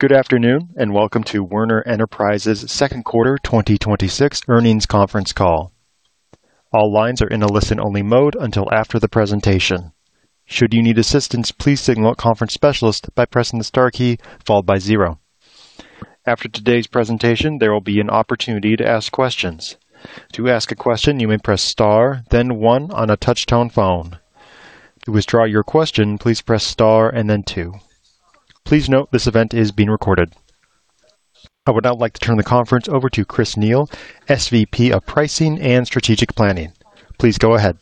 Good afternoon, and welcome to Werner Enterprises' second quarter 2026 earnings conference call. All lines are in a listen-only mode until after the presentation. Should you need assistance, please signal a conference specialist by pressing the star key followed by zero. After today's presentation, there will be an opportunity to ask questions. To ask a question, you may press star then one on a touch-tone phone. To withdraw your question, please press star and then two. Please note this event is being recorded. I would now like to turn the conference over to Chris Neil, SVP of Pricing and Strategic Planning. Please go ahead.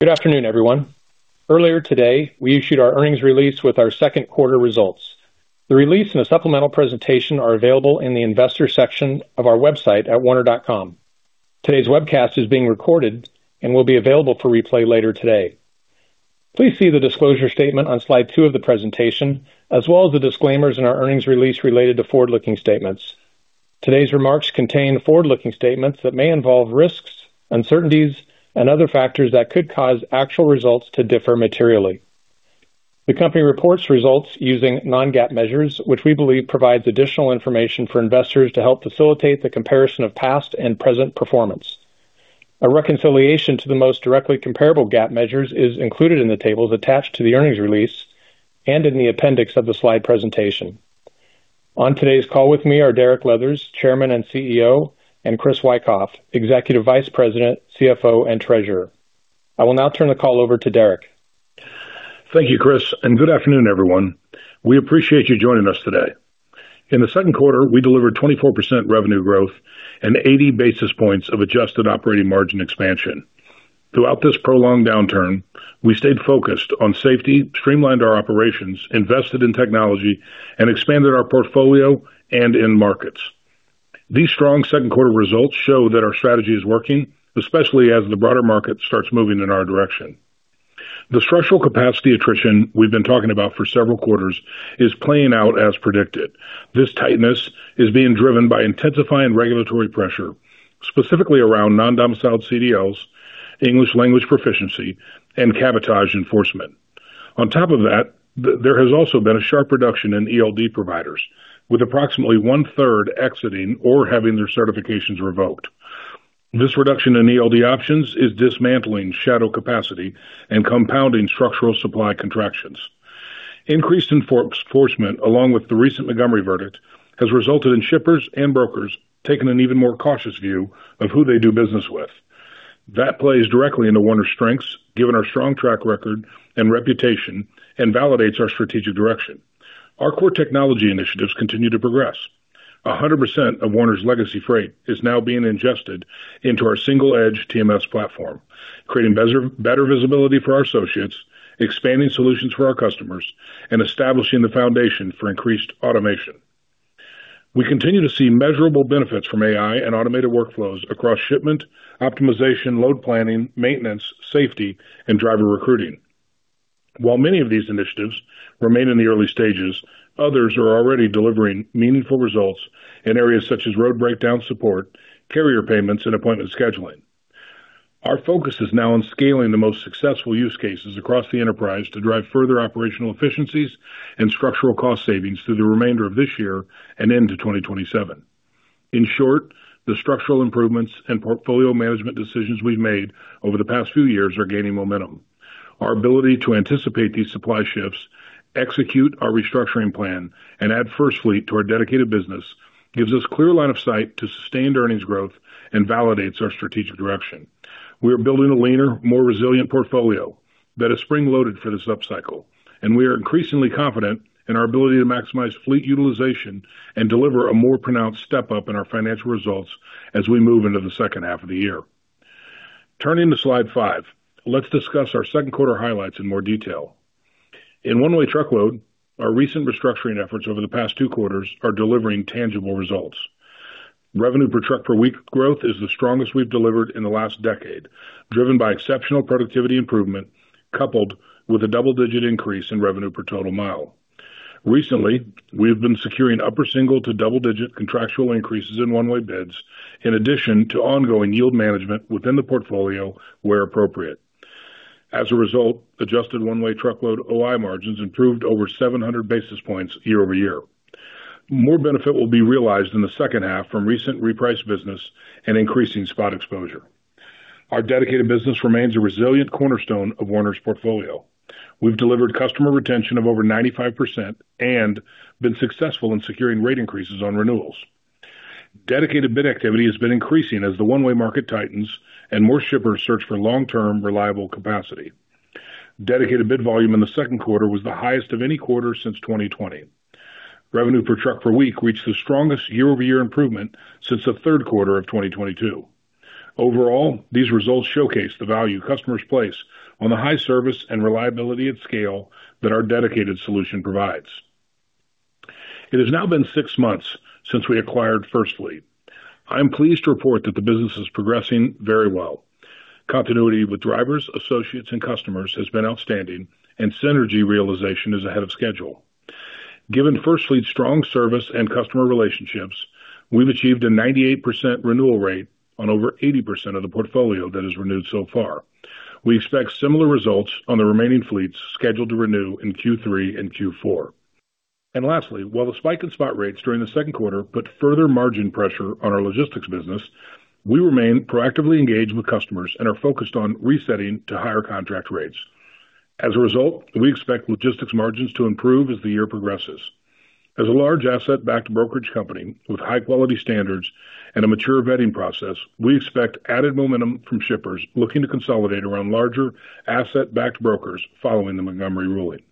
Good afternoon, everyone. Earlier today, we issued our earnings release with our second quarter results. The release and the supplemental presentation are available in the investor section of our website at werner.com. Today's webcast is being recorded and will be available for replay later today. Please see the disclosure statement on slide two of the presentation, as well as the disclaimers in our earnings release related to forward-looking statements. Today's remarks contain forward-looking statements that may involve risks, uncertainties, and other factors that could cause actual results to differ materially. The company reports results using non-GAAP measures, which we believe provides additional information for investors to help facilitate the comparison of past and present performance. A reconciliation to the most directly comparable GAAP measures is included in the tables attached to the earnings release and in the appendix of the slide presentation. On today's call with me are Derek Leathers, Chairman and CEO, and Chris Wikoff, Executive Vice President, CFO, and Treasurer. I will now turn the call over to Derek. Thank you, Chris. Good afternoon, everyone. We appreciate you joining us today. In the second quarter, we delivered 24% revenue growth and 80 basis points of adjusted operating margin expansion. Throughout this prolonged downturn, we stayed focused on safety, streamlined our operations, invested in technology, and expanded our portfolio and in markets. These strong second quarter results show that our strategy is working, especially as the broader market starts moving in our direction. The structural capacity attrition we've been talking about for several quarters is playing out as predicted. This tightness is being driven by intensifying regulatory pressure, specifically around non-domiciled CDLs, English language proficiency, and cabotage enforcement. On top of that, there has also been a sharp reduction in ELD providers, with approximately 1/3 exiting or having their certifications revoked. This reduction in ELD options is dismantling shadow capacity and compounding structural supply contractions. Increased enforcement, along with the recent Montgomery verdict, has resulted in shippers and brokers taking an even more cautious view of who they do business with. That plays directly into Werner's strengths, given our strong track record and reputation, and validates our strategic direction. Our core technology initiatives continue to progress. 100% of Werner's legacy freight is now being ingested into our single EDGE TMS platform, creating better visibility for our associates, expanding solutions for our customers, and establishing the foundation for increased automation. We continue to see measurable benefits from AI and automated workflows across shipment, optimization, load planning, maintenance, safety, and driver recruiting. While many of these initiatives remain in the early stages, others are already delivering meaningful results in areas such as road breakdown support, carrier payments, and appointment scheduling. Our focus is now on scaling the most successful use cases across the enterprise to drive further operational efficiencies and structural cost savings through the remainder of this year and into 2027. In short, the structural improvements and portfolio management decisions we've made over the past few years are gaining momentum. Our ability to anticipate these supply shifts, execute our restructuring plan, and add FirstFleet to our Dedicated business gives us clear line of sight to sustained earnings growth and validates our strategic direction. We are building a leaner, more resilient portfolio that is spring-loaded for this upcycle, and we are increasingly confident in our ability to maximize fleet utilization and deliver a more pronounced step-up in our financial results as we move into the second half of the year. Turning to slide five. Let's discuss our second quarter highlights in more detail. In One-Way truckload, our recent restructuring efforts over the past two quarters are delivering tangible results. Revenue per truck per week growth is the strongest we've delivered in the last decade, driven by exceptional productivity improvement, coupled with a double-digit increase in revenue per total mile. Recently, we have been securing upper single to double-digit contractual increases in One-Way bids, in addition to ongoing yield management within the portfolio where appropriate. As a result, adjusted One-Way truckload OI margins improved over 700 basis points year-over-year. More benefit will be realized in the second half from recent repriced business and increasing spot exposure. Our Dedicated business remains a resilient cornerstone of Werner's portfolio. We've delivered customer retention of over 95% and been successful in securing rate increases on renewals. Dedicated bid activity has been increasing as the One-Way market tightens and more shippers search for long-term reliable capacity. Dedicated bid volume in the second quarter was the highest of any quarter since 2020. Revenue per truck per week reached the strongest year-over-year improvement since the third quarter of 2022. Overall, these results showcase the value customers place on the high service and reliability at scale that our Dedicated solution provides. It has now been six months since we acquired FirstFleet. I am pleased to report that the business is progressing very well. Continuity with drivers, associates, and customers has been outstanding, and synergy realization is ahead of schedule. Given FirstFleet's strong service and customer relationships, we've achieved a 98% renewal rate on over 80% of the portfolio that is renewed so far. We expect similar results on the remaining fleets scheduled to renew in Q3 and Q4. Lastly, while the spike in spot rates during the second quarter put further margin pressure on our logistics business, we remain proactively engaged with customers and are focused on resetting to higher contract rates. As a result, we expect logistics margins to improve as the year progresses. As a large asset-backed brokerage company with high-quality standards and a mature vetting process, we expect added momentum from shippers looking to consolidate around larger asset-backed brokers following the Montgomery verdict.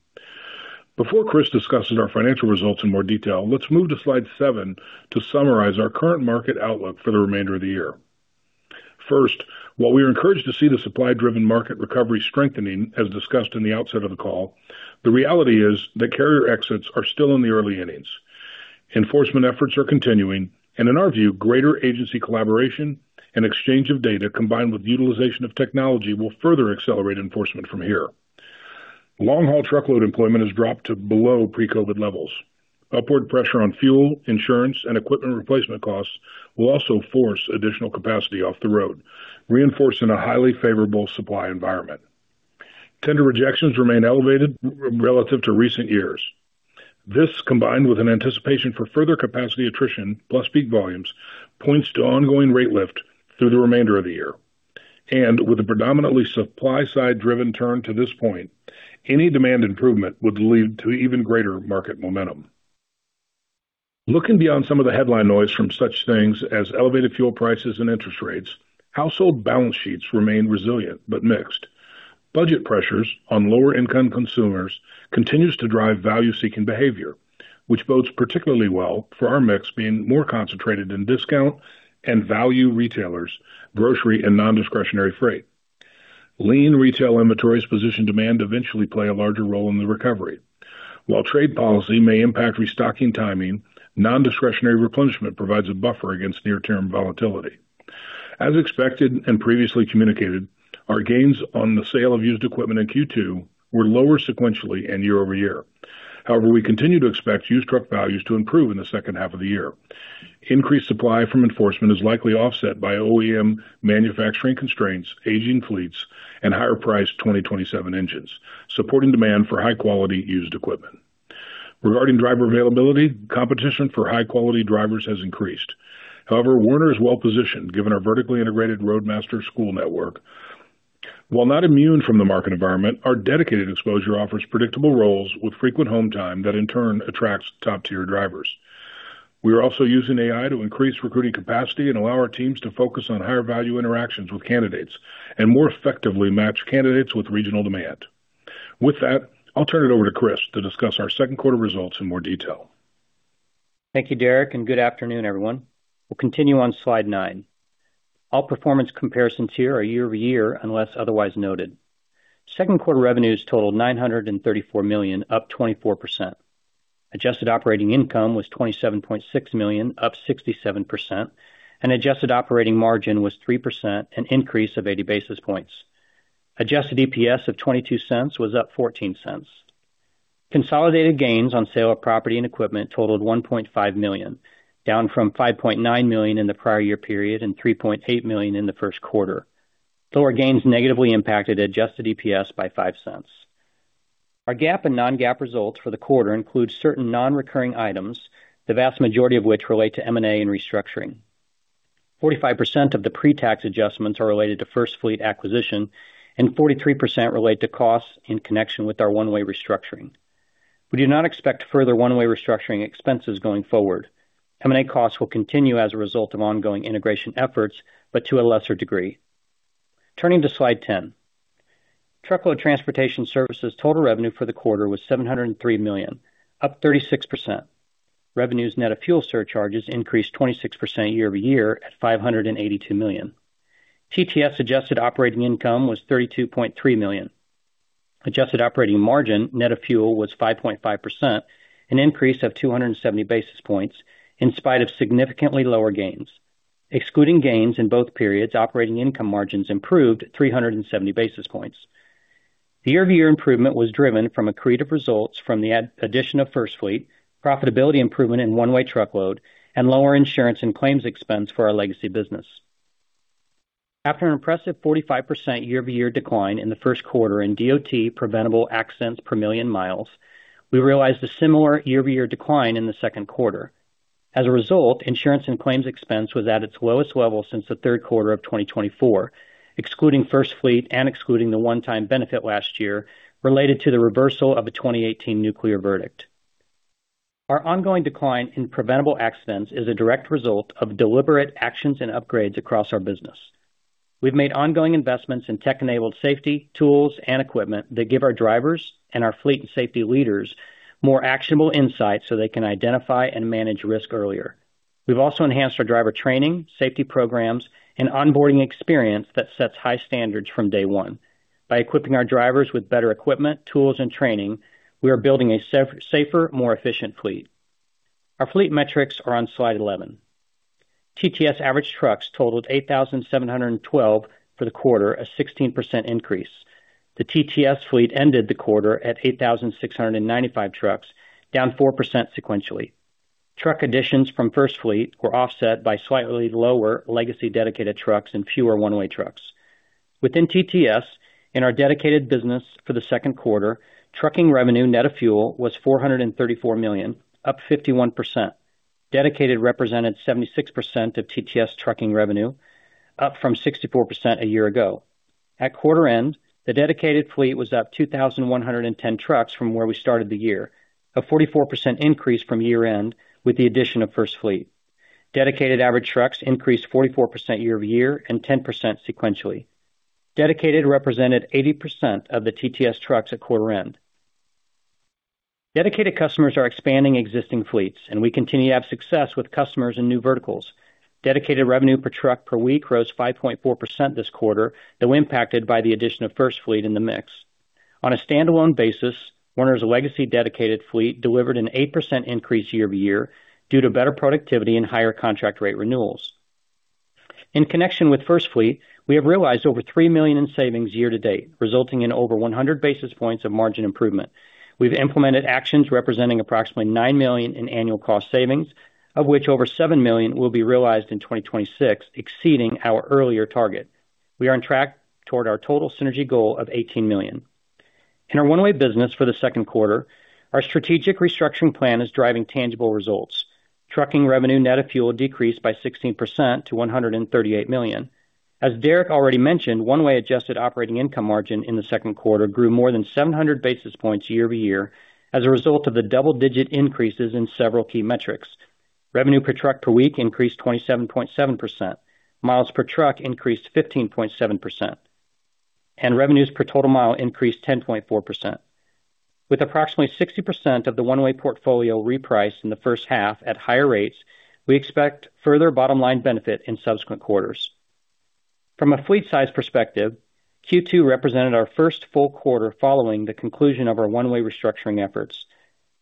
Before Chris discusses our financial results in more detail, let's move to slide seven to summarize our current market outlook for the remainder of the year. First, while we are encouraged to see the supply-driven market recovery strengthening, as discussed in the outset of the call, the reality is that carrier exits are still in the early innings. Enforcement efforts are continuing. In our view, greater agency collaboration and exchange of data, combined with utilization of technology, will further accelerate enforcement from here. Long-haul truckload employment has dropped to below pre-COVID levels. Upward pressure on fuel, insurance, and equipment replacement costs will also force additional capacity off the road, reinforcing a highly favorable supply environment. Tender rejections remain elevated relative to recent years. This, combined with an anticipation for further capacity attrition plus peak volumes, points to ongoing rate lift through the remainder of the year. With a predominantly supply-side driven turn to this point, any demand improvement would lead to even greater market momentum. Looking beyond some of the headline noise from such things as elevated fuel prices and interest rates, household balance sheets remain resilient but mixed. Budget pressures on lower-income consumers continues to drive value-seeking behavior, which bodes particularly well for our mix being more concentrated in discount and value retailers, grocery, and non-discretionary freight. Lean retail inventories position demand to eventually play a larger role in the recovery. While trade policy may impact restocking timing, non-discretionary replenishment provides a buffer against near-term volatility. As expected and previously communicated, our gains on the sale of used equipment in Q2 were lower sequentially and year-over-year. However, we continue to expect used truck values to improve in the second half of the year. Increased supply from enforcement is likely offset by OEM manufacturing constraints, aging fleets, and higher priced 2027 engines, supporting demand for high-quality used equipment. Regarding driver availability, competition for high-quality drivers has increased. However, Werner is well-positioned given our vertically integrated Roadmaster school network. While not immune from the market environment, our Dedicated exposure offers predictable roles with frequent home time that in turn attracts top-tier drivers. We are also using AI to increase recruiting capacity and allow our teams to focus on higher-value interactions with candidates and more effectively match candidates with regional demand. With that, I'll turn it over to Chris to discuss our second quarter results in more detail. Thank you, Derek, and good afternoon, everyone. We'll continue on slide nine. All performance comparisons here are year-over-year, unless otherwise noted. Second quarter revenues totaled $934 million, up 24%. Adjusted operating income was $27.6 million, up 67%, and adjusted operating margin was 3%, an increase of 80 basis points. Adjusted EPS of $0.22 was up $0.14. Consolidated gains on sale of property and equipment totaled $1.5 million, down from $5.9 million in the prior year period and $3.8 million in the first quarter. Lower gains negatively impacted adjusted EPS by $0.05. Our GAAP and non-GAAP results for the quarter include certain non-recurring items, the vast majority of which relate to M&A and restructuring. 45% of the pre-tax adjustments are related to FirstFleet acquisition and 43% relate to costs in connection with our One-Way restructuring. We do not expect further One-Way restructuring expenses going forward. M&A costs will continue as a result of ongoing integration efforts, but to a lesser degree. Turning to slide 10. Truckload Transportation Services total revenue for the quarter was $703 million, up 36%. Revenues net of fuel surcharges increased 26% year-over-year at $582 million. TTS adjusted operating income was $32.3 million. Adjusted operating margin net of fuel was 5.5%, an increase of 270 basis points in spite of significantly lower gains. Excluding gains in both periods, operating income margins improved 370 basis points. The year-over-year improvement was driven from accretive results from the addition of FirstFleet, profitability improvement in One-Way truckload, and lower insurance and claims expense for our legacy business. After an impressive 45% year-over-year decline in the first quarter in DOT-preventable accidents per million miles, we realized a similar year-over-year decline in the second quarter. As a result, insurance and claims expense was at its lowest level since the third quarter of 2024, excluding FirstFleet and excluding the one-time benefit last year related to the reversal of a 2018 nuclear verdict. Our ongoing decline in preventable accidents is a direct result of deliberate actions and upgrades across our business. We've made ongoing investments in tech-enabled safety tools and equipment that give our drivers and our fleet and safety leaders more actionable insights so they can identify and manage risk earlier. We've also enhanced our driver training, safety programs, and onboarding experience that sets high standards from day one. By equipping our drivers with better equipment, tools, and training, we are building a safer, more efficient fleet. Our fleet metrics are on slide 11. TTS average trucks totaled 8,712 for the quarter, a 16% increase. The TTS fleet ended the quarter at 8,695 trucks, down 4% sequentially. Truck additions from FirstFleet were offset by slightly lower legacy Dedicated trucks and fewer One-Way trucks. Within TTS, in our Dedicated business for the second quarter, trucking revenue net of fuel was $434 million, up 51%. Dedicated represented 76% of TTS trucking revenue, up from 64% a year ago. At quarter end, the Dedicated fleet was up 2,110 trucks from where we started the year, a 44% increase from year-end with the addition of FirstFleet. Dedicated average trucks increased 44% year-over-year and 10% sequentially. Dedicated represented 80% of the TTS trucks at quarter end. Dedicated customers are expanding existing fleets, and we continue to have success with customers in new verticals. Dedicated revenue per truck per week rose 5.4% this quarter, though impacted by the addition of FirstFleet in the mix. On a standalone basis, Werner's legacy Dedicated fleet delivered an 8% increase year-over-year due to better productivity and higher contract rate renewals. In connection with FirstFleet, we have realized over $3 million in savings year-to-date, resulting in over 100 basis points of margin improvement. We've implemented actions representing approximately $9 million in annual cost savings, of which over $7 million will be realized in 2026, exceeding our earlier target. We are on track toward our total synergy goal of $18 million. In our One-Way business for the second quarter, our strategic restructuring plan is driving tangible results. Trucking revenue net of fuel decreased by 16% to $138 million. As Derek already mentioned, One-Way adjusted operating income margin in the second quarter grew more than 700 basis points year-over-year as a result of the double-digit increases in several key metrics. Revenue per truck per week increased 27.7%. Miles per truck increased 15.7%. Revenues per total mile increased 10.4%. With approximately 60% of the One-Way portfolio repriced in the first half at higher rates, we expect further bottom-line benefit in subsequent quarters. From a fleet size perspective, Q2 represented our first full quarter following the conclusion of our One-Way restructuring efforts.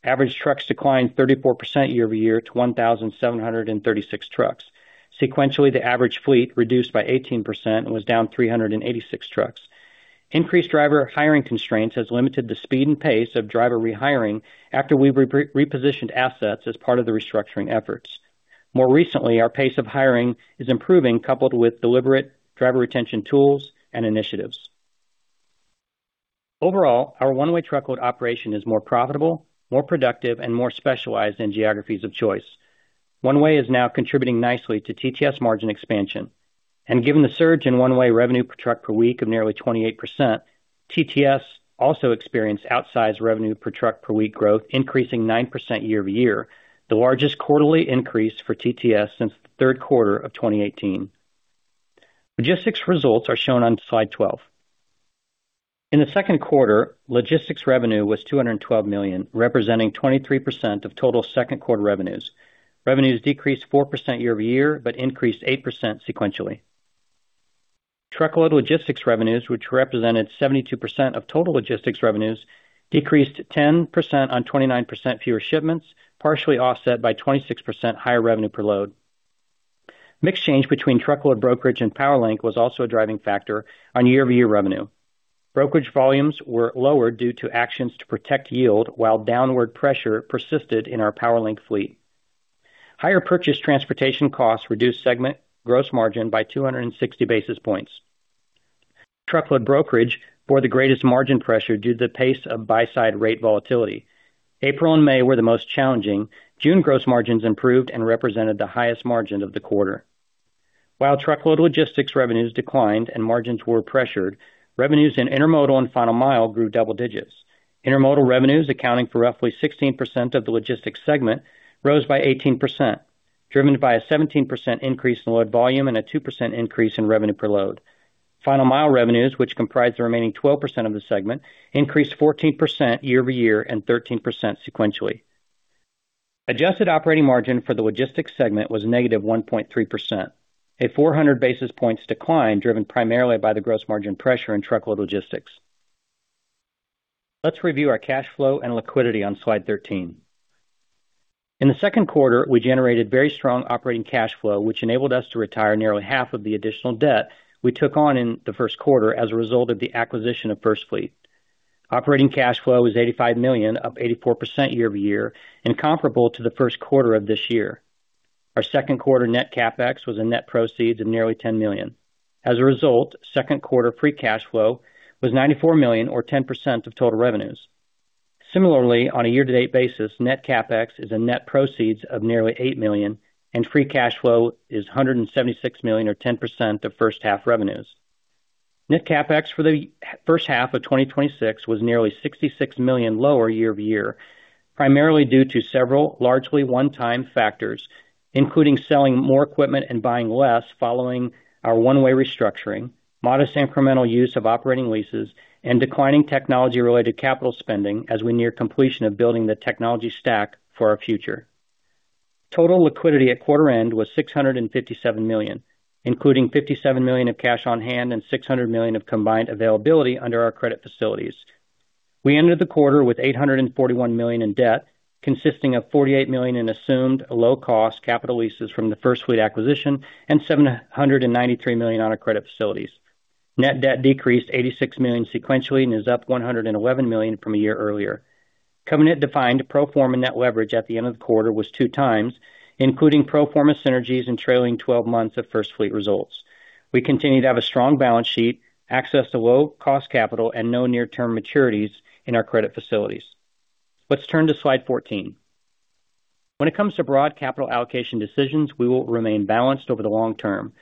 Average trucks declined 34% year-over-year to 1,736 trucks. Sequentially, the average fleet reduced by 18% and was down 386 trucks. Increased driver hiring constraints has limited the speed and pace of driver rehiring after we repositioned assets as part of the restructuring efforts. More recently, our pace of hiring is improving, coupled with deliberate driver retention tools and initiatives. Overall, our One-Way truckload operation is more profitable, more productive, and more specialized in geographies of choice. One-Way is now contributing nicely to TTS margin expansion. Given the surge in One-Way revenue per truck per week of nearly 28%, TTS also experienced outsized revenue per truck per week growth, increasing 9% year-over-year, the largest quarterly increase for TTS since the third quarter of 2018. Logistics results are shown on slide 12. In the second quarter, Logistics revenue was $212 million, representing 23% of total second quarter revenues. Revenues decreased 4% year-over-year but increased 8% sequentially. Truckload logistics revenues, which represented 72% of total logistics revenues, decreased 10% on 29% fewer shipments, partially offset by 26% higher revenue per load. Mix change between truckload brokerage and PowerLink was also a driving factor on year-over-year revenue. Brokerage volumes were lower due to actions to protect yield, while downward pressure persisted in our PowerLink fleet. Higher purchase transportation costs reduced segment gross margin by 260 basis points. Truckload brokerage bore the greatest margin pressure due to the pace of buy-side rate volatility. April and May were the most challenging. June gross margins improved and represented the highest margin of the quarter. While truckload logistics revenues declined and margins were pressured, revenues in intermodal and final mile grew double digits. Intermodal revenues, accounting for roughly 16% of the logistics segment, rose by 18%, driven by a 17% increase in load volume and a 2% increase in revenue per load. Final mile revenues, which comprise the remaining 12% of the segment, increased 14% year-over-year and 13% sequentially. Adjusted operating margin for the logistics segment was -1.3%, a 400 basis points decline driven primarily by the gross margin pressure in truckload logistics. Let's review our cash flow and liquidity on slide 13. In the second quarter, we generated very strong operating cash flow, which enabled us to retire nearly half of the additional debt we took on in the first quarter as a result of the acquisition of FirstFleet. Operating cash flow was $85 million, up 84% year-over-year and comparable to the first quarter of this year. Our second quarter net CapEx was a net proceed of nearly $10 million. As a result, second quarter free cash flow was $94 million or 10% of total revenues. Similarly, on a year-to-date basis, net CapEx is a net proceeds of nearly $8 million and free cash flow is $176 million or 10% of first half revenues. Net CapEx for the first half of 2026 was nearly $66 million lower year-over-year, primarily due to several largely one-time factors, including selling more equipment and buying less following our One-Way restructuring, modest incremental use of operating leases, and declining technology-related capital spending as we near completion of building the technology stack for our future. Total liquidity at quarter end was $657 million, including $57 million of cash on hand and $600 million of combined availability under our credit facilities. We ended the quarter with $841 million in debt, consisting of $48 million in assumed low-cost capital leases from the FirstFleet acquisition and $793 million on our credit facilities. Net debt decreased $86 million sequentially and is up $111 million from a year earlier. Covenant-defined pro forma net leverage at the end of the quarter was two times, including pro forma synergies and trailing 12 months of FirstFleet results. We continue to have a strong balance sheet, access to low-cost capital, and no near-term maturities in our credit facilities. Let's turn to slide 14. When it comes to broad capital allocation decisions, we will remain balanced over the long term,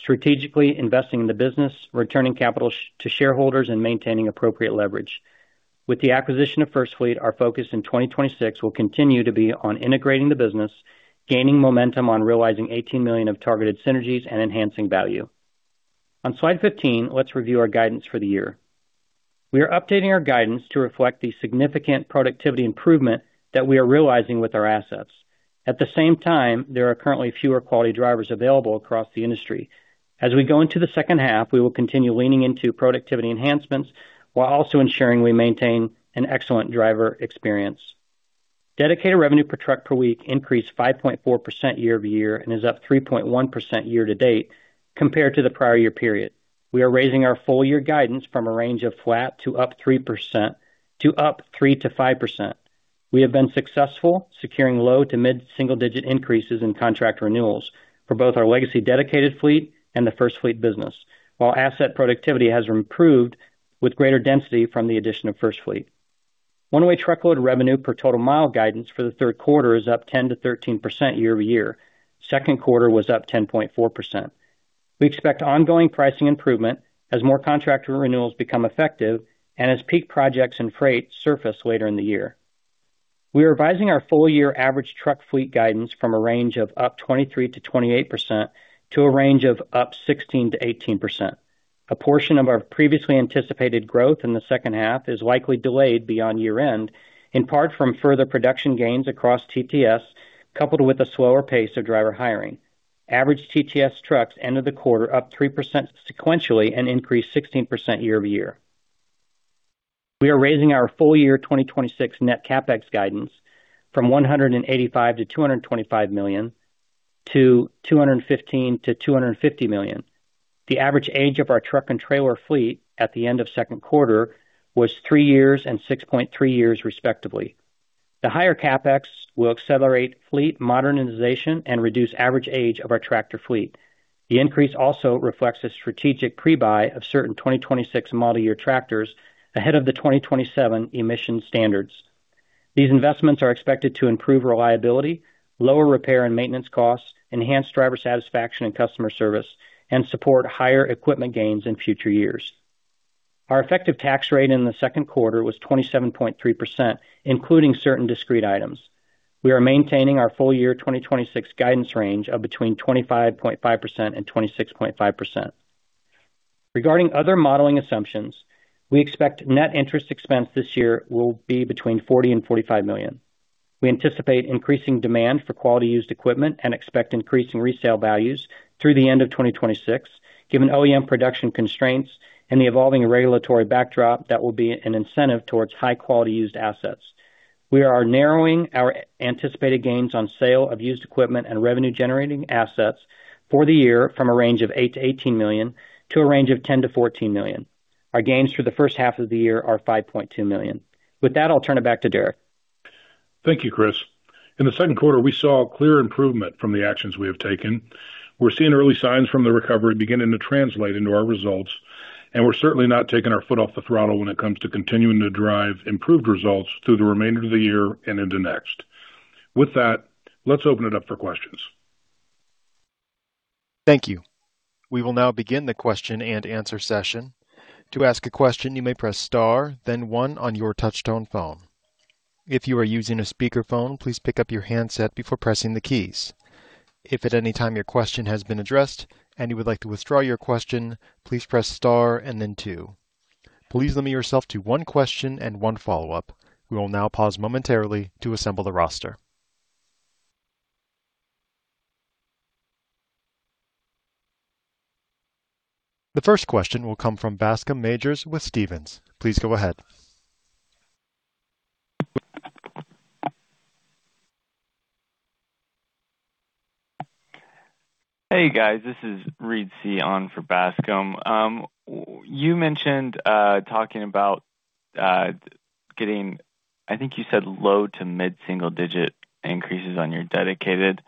strategically investing in the business, returning capital to shareholders, and maintaining appropriate leverage. With the acquisition of FirstFleet, our focus in 2026 will continue to be on integrating the business, gaining momentum on realizing $18 million of targeted synergies, and enhancing value. On slide 15, let's review our guidance for the year. We are updating our guidance to reflect the significant productivity improvement that we are realizing with our assets. At the same time, there are currently fewer quality drivers available across the industry. As we go into the second half, we will continue leaning into productivity enhancements while also ensuring we maintain an excellent driver experience. Dedicated revenue per truck per week increased 5.4% year-over-year and is up 3.1% year-to-date compared to the prior year period. We are raising our full year guidance from a range of flat to up 3% to up 3%-5%. We have been successful securing low to mid-single-digit increases in contract renewals for both our legacy Dedicated fleet and the FirstFleet business, while asset productivity has improved with greater density from the addition of FirstFleet. One-Way truckload revenue per total mile guidance for the third quarter is up 10%-13% year-over-year. Second quarter was up 10.4%. We expect ongoing pricing improvement as more contract renewals become effective and as peak projects and freight surface later in the year. We are revising our full year average truck fleet guidance from a range of up 23%-28% to a range of up 16%-18%. A portion of our previously anticipated growth in the second half is likely delayed beyond year-end, in part from further production gains across TTS, coupled with a slower pace of driver hiring. Average TTS trucks ended the quarter up 3% sequentially and increased 16% year-over-year. We are raising our full year 2026 net CapEx guidance from $185 million-$225 million to $215 million-$250 million. The average age of our truck and trailer fleet at the end of second quarter was three years and 6.3 years, respectively. The higher CapEx will accelerate fleet modernization and reduce average age of our tractor fleet. The increase also reflects a strategic pre-buy of certain 2026 model year tractors ahead of the 2027 emission standards. These investments are expected to improve reliability, lower repair and maintenance costs, enhance driver satisfaction and customer service, and support higher equipment gains in future years. Our effective tax rate in the second quarter was 27.3%, including certain discrete items. We are maintaining our full year 2026 guidance range of between 25.5% and 26.5%. Regarding other modeling assumptions, we expect net interest expense this year will be between $40 million and $45 million. We anticipate increasing demand for quality used equipment and expect increasing resale values through the end of 2026, given OEM production constraints and the evolving regulatory backdrop that will be an incentive towards high-quality used assets. We are narrowing our anticipated gains on sale of used equipment and revenue-generating assets for the year from a range of $8 million-$18 million to a range of $10 million-$14 million. Our gains for the first half of the year are $5.2 million. With that, I'll turn it back to Derek. Thank you, Chris. In the second quarter, we saw a clear improvement from the actions we have taken. We're certainly not taking our foot off the throttle when it comes to continuing to drive improved results through the remainder of the year and into next. With that, let's open it up for questions. Thank you. We will now begin the question and answer session. To ask a question, you may press star then one on your touchtone phone. If you are using a speakerphone, please pick up your handset before pressing the keys. If at any time your question has been addressed and you would like to withdraw your question, please press star and then two. Please limit yourself to one question and one follow-up. We will now pause momentarily to assemble the roster. The first question will come from Bascom Majors with Stephens. Please go ahead. Hey, guys. This is Reed Seay on for Bascom. You mentioned talking about getting, I think you said low to mid-single digit increases on your Dedicated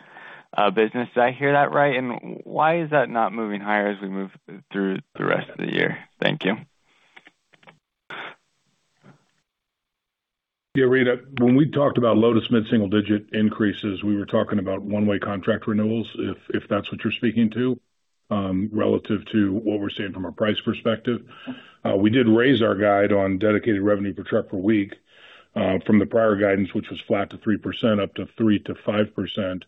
business. Did I hear that right? Why is that not moving higher as we move through the rest of the year? Thank you. Reed. When we talked about low to mid-single digit increases, we were talking about One-Way contract renewals, if that's what you're speaking to, relative to what we're seeing from a price perspective. We did raise our guide on Dedicated revenue per truck per week from the prior guidance, which was flat to 3%, up to 3%-5%.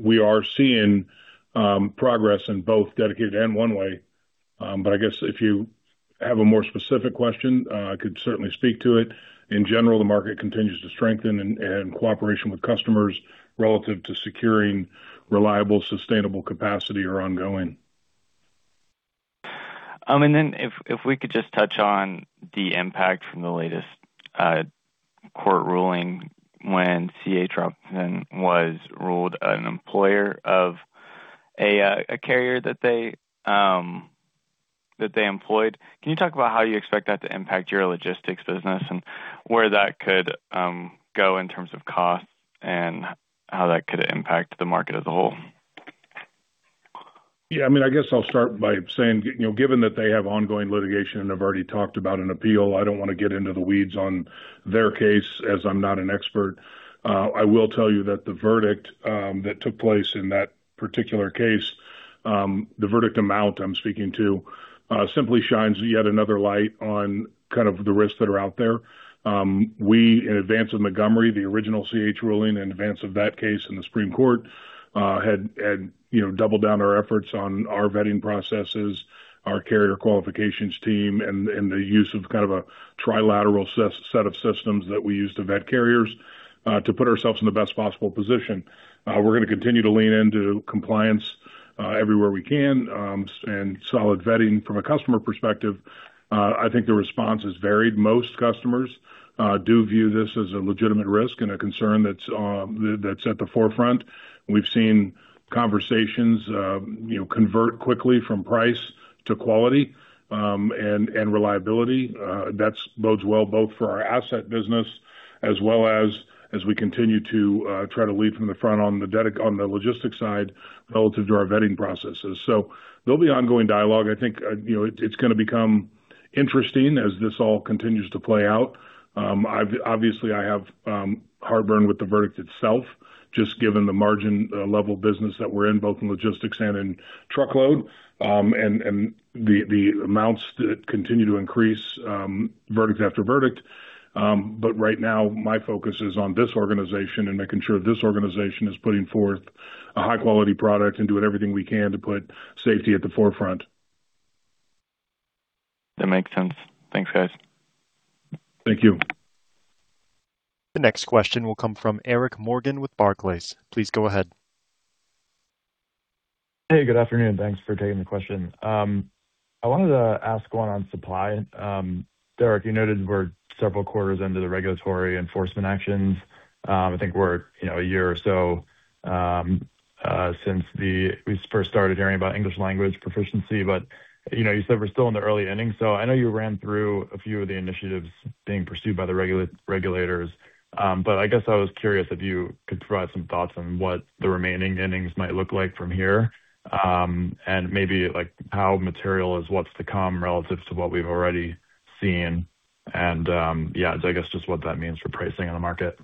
We are seeing progress in both Dedicated and One-Way. I guess if you have a more specific question, I could certainly speak to it. In general, the market continues to strengthen and cooperation with customers relative to securing reliable, sustainable capacity are ongoing. If we could just touch on the impact from the latest court ruling when C.H. Robinson was ruled an employer of a carrier that they employed. Can you talk about how you expect that to impact your logistics business and where that could go in terms of cost, and how that could impact the market as a whole? Yeah. I guess I'll start by saying, given that they have ongoing litigation and have already talked about an appeal, I don't want to get into the weeds on their case, as I'm not an expert. I will tell you that the verdict that took place in that particular case, the verdict amount I'm speaking to, simply shines yet another light on kind of the risks that are out there. We, in advance of Montgomery, the original C.H. ruling, in advance of that case and the Supreme Court, had doubled down our efforts on our vetting processes, our carrier qualifications team, and the use of a trilateral set of systems that we use to vet carriers to put ourselves in the best possible position. We're going to continue to lean into compliance everywhere we can, and solid vetting from a customer perspective. I think the response is varied. Most customers do view this as a legitimate risk and a concern that's at the forefront. We've seen conversations convert quickly from price to quality and reliability. That bodes well both for our asset business as well as we continue to try to lead from the front on the logistics side relative to our vetting processes. There'll be ongoing dialogue. I think it's going to become interesting as this all continues to play out. Obviously, I have heartburn with the verdict itself, just given the margin level business that we're in, both in logistics and in truckload, and the amounts that continue to increase verdict after verdict. Right now, my focus is on this organization and making sure this organization is putting forth a high-quality product and doing everything we can to put safety at the forefront. That makes sense. Thanks, guys. Thank you. The next question will come from Eric Morgan with Barclays. Please go ahead. Hey, good afternoon. Thanks for taking the question. I wanted to ask one on supply. Derek, you noted we're several quarters into the regulatory enforcement actions. I think we're a year or so since we first started hearing about English language proficiency. You said we're still in the early innings, I know you ran through a few of the initiatives being pursued by the regulators. I guess I was curious if you could provide some thoughts on what the remaining innings might look like from here, and maybe how material is what's to come relative to what we've already seen. Yeah, I guess just what that means for pricing in the market?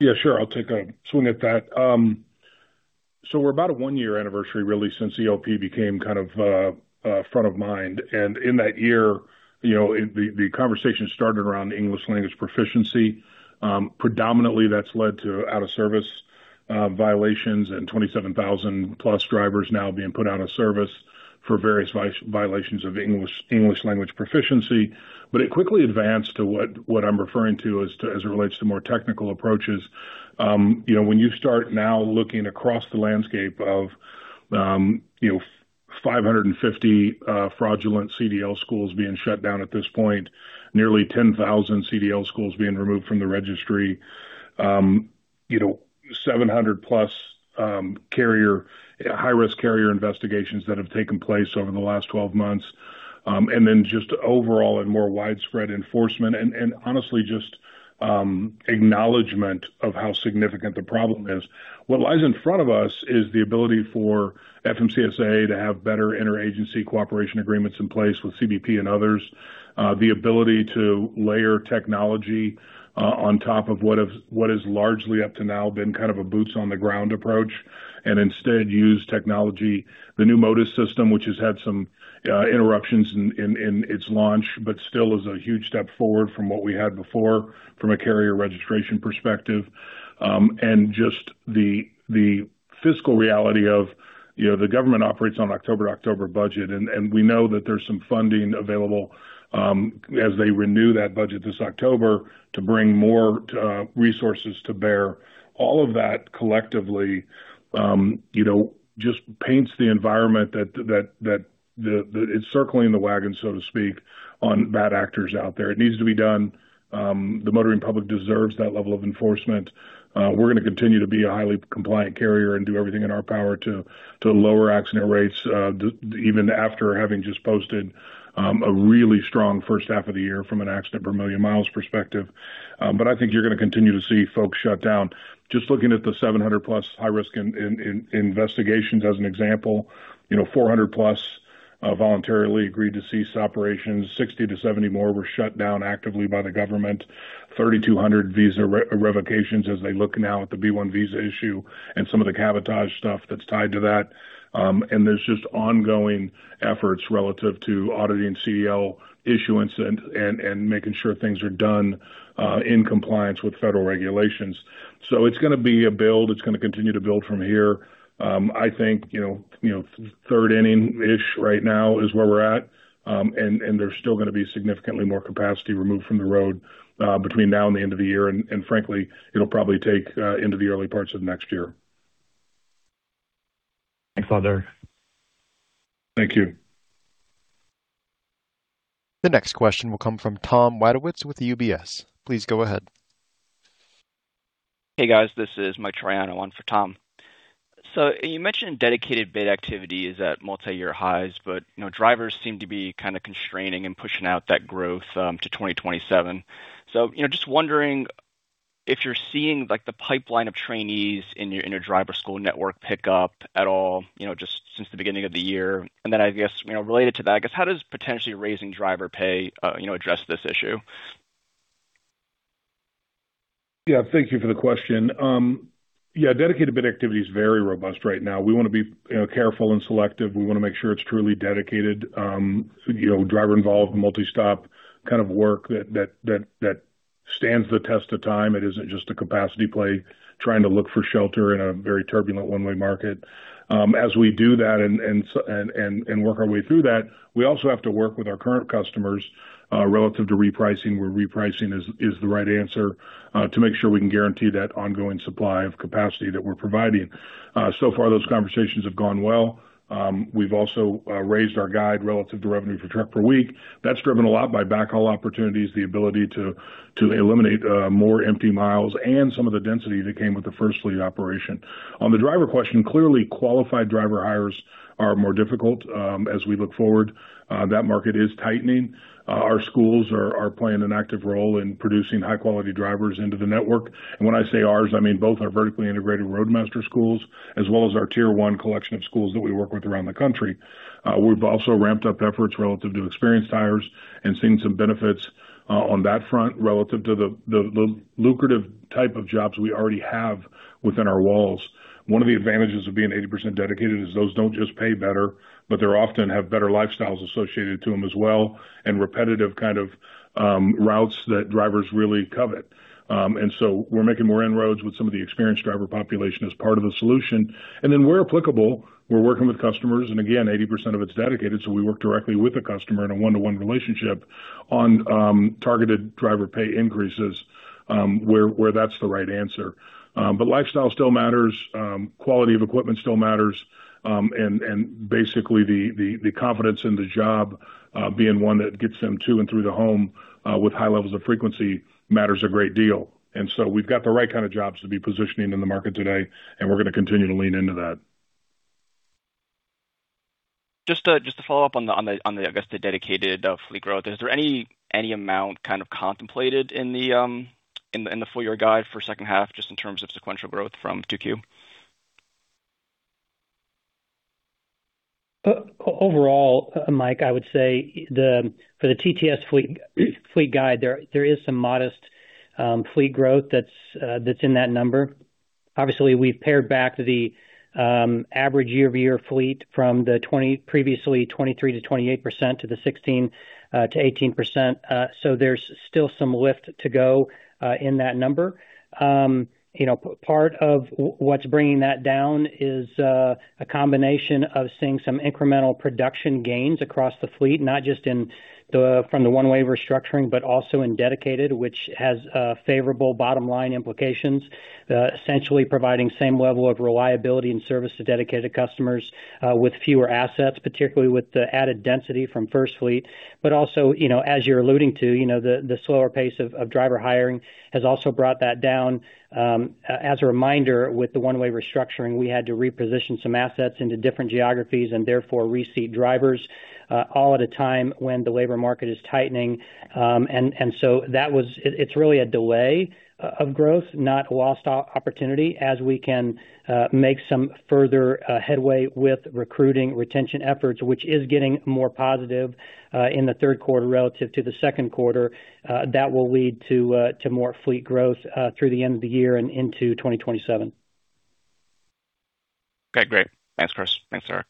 Yeah, sure. I'll take a swing at that. We're about a one-year anniversary, really, since ELP became front of mind. In that year, the conversation started around English language proficiency. Predominantly, that's led to out of service violations and 27,000+ drivers now being put out of service for various violations of English language proficiency. It quickly advanced to what I'm referring to as it relates to more technical approaches. When you start now looking across the landscape of 550 fraudulent CDL schools being shut down at this point, nearly 10,000 CDL schools being removed from the registry, 700+ high-risk carrier investigations that have taken place over the last 12 months, then just overall and more widespread enforcement and honestly, just acknowledgement of how significant the problem is. What lies in front of us is the ability for FMCSA to have better inter-agency cooperation agreements in place with CBP and others. The ability to layer technology on top of what is largely up to now been kind of a boots on the ground approach, instead use technology. The new Motus system, which has had some interruptions in its launch, still is a huge step forward from what we had before from a carrier registration perspective. Just the fiscal reality of the government operates on October to October budget, and we know that there's some funding available as they renew that budget this October to bring more resources to bear. All of that collectively just paints the environment that it's circling the wagon, so to speak, on bad actors out there. It needs to be done. The motoring public deserves that level of enforcement. We're going to continue to be a highly compliant carrier and do everything in our power to lower accident rates, even after having just posted a really strong first half of the year from an accident per million miles perspective. I think you're going to continue to see folks shut down. Just looking at the 700+ high risk investigations as an example, 400+ voluntarily agreed to cease operations, 60-70 more were shut down actively by the government. 3,200 visa revocations as they look now at the B1 visa issue and some of the cabotage stuff that's tied to that. There's just ongoing efforts relative to auditing CDL issuance and making sure things are done in compliance with federal regulations. It's going to be a build. It's going to continue to build from here. I think third inning-ish right now is where we're at. There's still going to be significantly more capacity removed from the road between now and the end of the year. Frankly, it'll probably take into the early parts of next year. No, further. Thank you. The next question will come from Tom Wadewitz with UBS. Please go ahead. Hey, guys. This is Mike Triano, one for Tom. You mentioned Dedicated bid activity is at multi-year highs, but drivers seem to be kind of constraining and pushing out that growth to 2027. Just wondering if you're seeing the pipeline of trainees in your driver school network pick up at all just since the beginning of the year. I guess, related to that, I guess, how does potentially raising driver pay address this issue? Thank you for the question. Dedicated bid activity is very robust right now. We want to be careful and selective. We want to make sure it's truly dedicated. Driver-involved multi-stop kind of work that stands the test of time. It isn't just a capacity play trying to look for shelter in a very turbulent One-Way market. As we do that and work our way through that, we also have to work with our current customers, relative to repricing, where repricing is the right answer, to make sure we can guarantee that ongoing supply of capacity that we're providing. So far, those conversations have gone well. We've also raised our guide relative to revenue per truck per week. That's driven a lot by backhaul opportunities, the ability to eliminate more empty miles, and some of the density that came with the FirstFleet operation. On the driver question, clearly, qualified driver hires are more difficult. As we look forward, that market is tightening. Our schools are playing an active role in producing high-quality drivers into the network. When I say ours, I mean both our vertically integrated Roadmaster schools as well as our tier-1 collection of schools that we work with around the country. We've also ramped up efforts relative to experienced hires and seen some benefits on that front relative to the lucrative type of jobs we already have within our walls. One of the advantages of being 80% dedicated is those don't just pay better, but they often have better lifestyles associated to them as well, and repetitive kind of routes that drivers really covet. We're making more inroads with some of the experienced driver population as part of the solution. Where applicable, we're working with customers, again, 80% of it is dedicated, we work directly with a customer in a one-to-one relationship on targeted driver pay increases, where that's the right answer. Lifestyle still matters. Quality of equipment still matters. Basically, the confidence in the job being one that gets them to and through the home with high levels of frequency matters a great deal. We've got the right kind of jobs to be positioning in the market today, and we're going to continue to lean into that. Just to follow up on the, I guess, the Dedicated fleet growth. Is there any amount kind of contemplated in the full year guide for second half, just in terms of sequential growth from 2Q? Overall, Mike, I would say for the TTS fleet guide, there is some modest fleet growth that's in that number. Obviously, we've pared back the average year-over-year fleet from the previously 23%-28% to the 16%-18%. There's still some lift to go in that number. Part of what's bringing that down is a combination of seeing some incremental production gains across the fleet, not just from the One-Way restructuring, but also in Dedicated, which has favorable bottom-line implications. Essentially providing same level of reliability and service to Dedicated customers with fewer assets, particularly with the added density from FirstFleet. Also, as you're alluding to, the slower pace of driver hiring has also brought that down. As a reminder, with the One-Way restructuring, we had to reposition some assets into different geographies and therefore reseat drivers all at a time when the labor market is tightening. It's really a delay of growth, not a lost opportunity, as we can make some further headway with recruiting retention efforts, which is getting more positive in the third quarter relative to the second quarter. That will lead to more fleet growth through the end of the year and into 2027. Okay, great. Thanks, Chris. Thanks, Derek.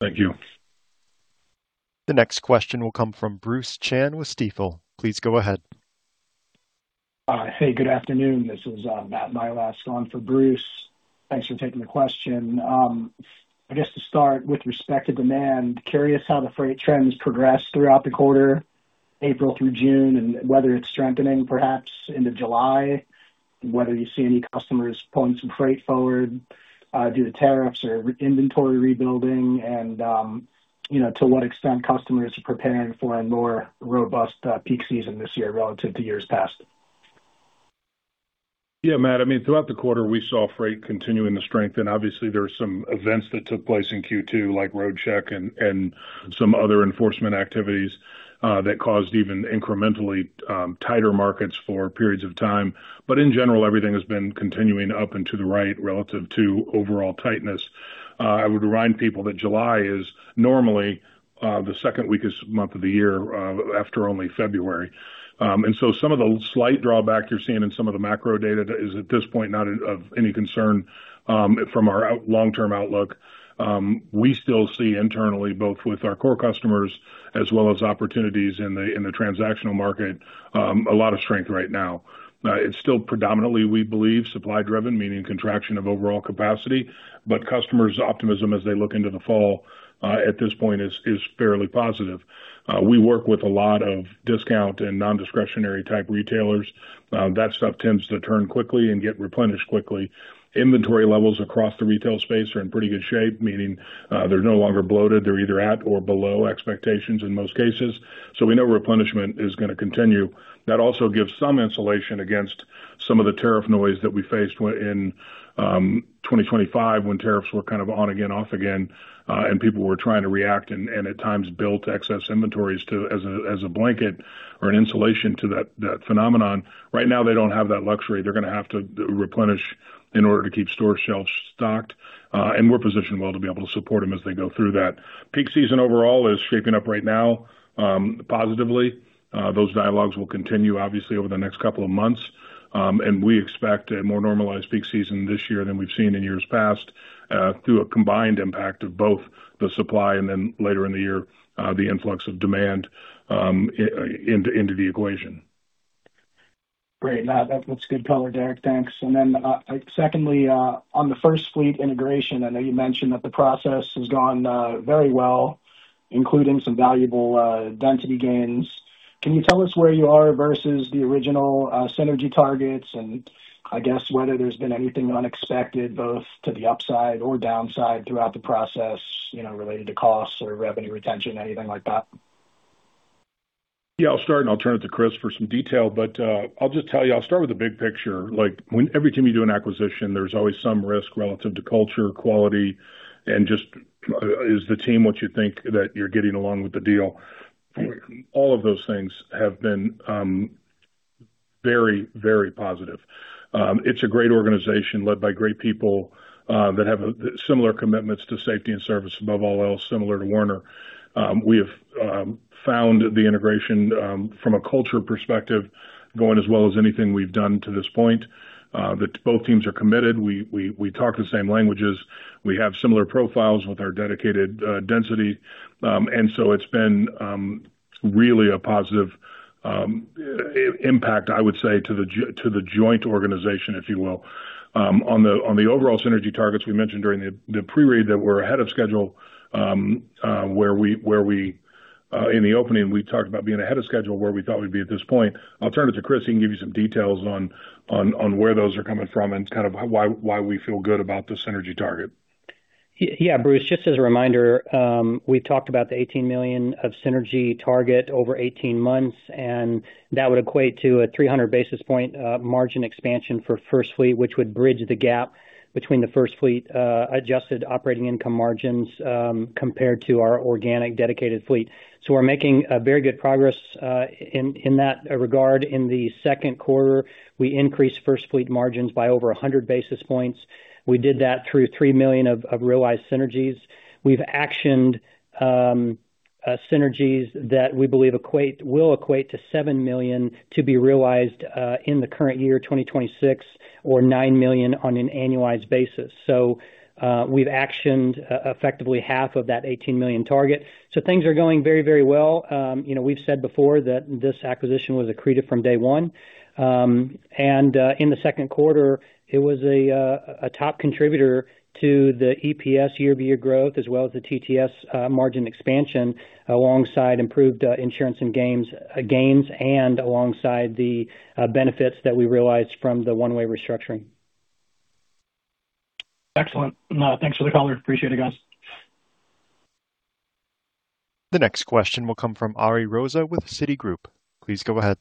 Thank you. The next question will come from Bruce Chan with Stifel. Please go ahead. Hey, good afternoon. This is Matt Milask on for Bruce. Thanks for taking the question. I guess to start with respect to demand, curious how the freight trends progressed throughout the quarter, April through June, and whether it's strengthening perhaps into July, whether you see any customers pulling some freight forward due to tariffs or inventory rebuilding, and to what extent customers are preparing for a more robust peak season this year relative to years past. Yeah, Matt. Throughout the quarter, we saw freight continuing to strengthen. Obviously, there are some events that took place in Q2, like road check and some other enforcement activities, that caused even incrementally tighter markets for periods of time. In general, everything has been continuing up and to the right relative to overall tightness. I would remind people that July is normally the second weakest month of the year after only February. Some of the slight drawback you're seeing in some of the macro data is at this point not of any concern from our long-term outlook. We still see internally, both with our core customers as well as opportunities in the transactional market, a lot of strength right now. It's still predominantly, we believe, supply driven, meaning contraction of overall capacity, but customers' optimism as they look into the fall at this point is fairly positive. We work with a lot of discount and non-discretionary type retailers. That stuff tends to turn quickly and get replenished quickly. Inventory levels across the retail space are in pretty good shape, meaning they're no longer bloated. They're either at or below expectations in most cases. We know replenishment is going to continue. That also gives some insulation against Some of the tariff noise that we faced in 2025 when tariffs were kind of on again, off again, and people were trying to react and at times built excess inventories as a blanket or an insulation to that phenomenon. Right now, they don't have that luxury. They're going to have to replenish in order to keep store shelves stocked. We're positioned well to be able to support them as they go through that. Peak season overall is shaping up right now, positively. Those dialogues will continue, obviously, over the next couple of months. We expect a more normalized peak season this year than we've seen in years past, through a combined impact of both the supply and then later in the year, the influx of demand into the equation. Great. That's good color, Derek. Thanks. Secondly, on the FirstFleet integration, I know you mentioned that the process has gone very well, including some valuable density gains. Can you tell us where you are versus the original synergy targets and I guess whether there's been anything unexpected, both to the upside or downside throughout the process, related to costs or revenue retention, anything like that? I'll start and I'll turn it to Chris for some detail. I'll just tell you, I'll start with the big picture. Every time you do an acquisition, there's always some risk relative to culture, quality, and just, is the team what you think that you're getting along with the deal. All of those things have been very positive. It's a great organization led by great people that have similar commitments to safety and service above all else, similar to Werner. We have found the integration, from a culture perspective, going as well as anything we've done to this point. Both teams are committed. We talk the same languages. We have similar profiles with our Dedicated density. It's been really a positive impact, I would say, to the joint organization, if you will. On the overall synergy targets we mentioned during the pre-read that we're ahead of schedule. In the opening, we talked about being ahead of schedule where we thought we'd be at this point. I'll turn it to Chris. He can give you some details on where those are coming from and kind of why we feel good about the synergy target. Bruce, just as a reminder, we've talked about the $18 million of synergy target over 18 months, and that would equate to a 300 basis point margin expansion for FirstFleet, which would bridge the gap between the FirstFleet adjusted operating income margins compared to our organic Dedicated fleet. We're making very good progress in that regard. In the second quarter, we increased FirstFleet margins by over 100 basis points. We did that through $3 million of realized synergies. We've actioned synergies that we believe will equate to $7 million to be realized in the current year 2026, or $9 million on an annualized basis. We've actioned effectively half of that $18 million target. Things are going very well. We've said before that this acquisition was accretive from day one. In the second quarter, it was a top contributor to the EPS year-over-year growth as well as the TTS margin expansion alongside improved insurance and gains and alongside the benefits that we realized from the One-Way restructuring. Excellent. Thanks for the color. Appreciate it, guys. The next question will come from Ari Rosa with Citigroup. Please go ahead.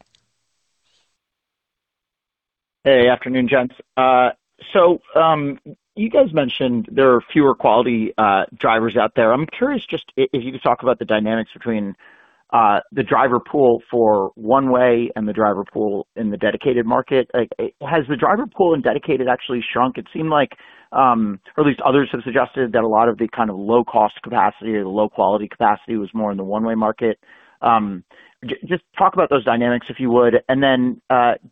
Hey, afternoon, gents. You guys mentioned there are fewer quality drivers out there. I'm curious just if you could talk about the dynamics between the driver pool for One-Way and the driver pool in the Dedicated market. Has the driver pool in Dedicated actually shrunk? It seemed like, or at least others have suggested that a lot of the kind of low-cost capacity or low-quality capacity was more in the One-Way market. Just talk about those dynamics, if you would.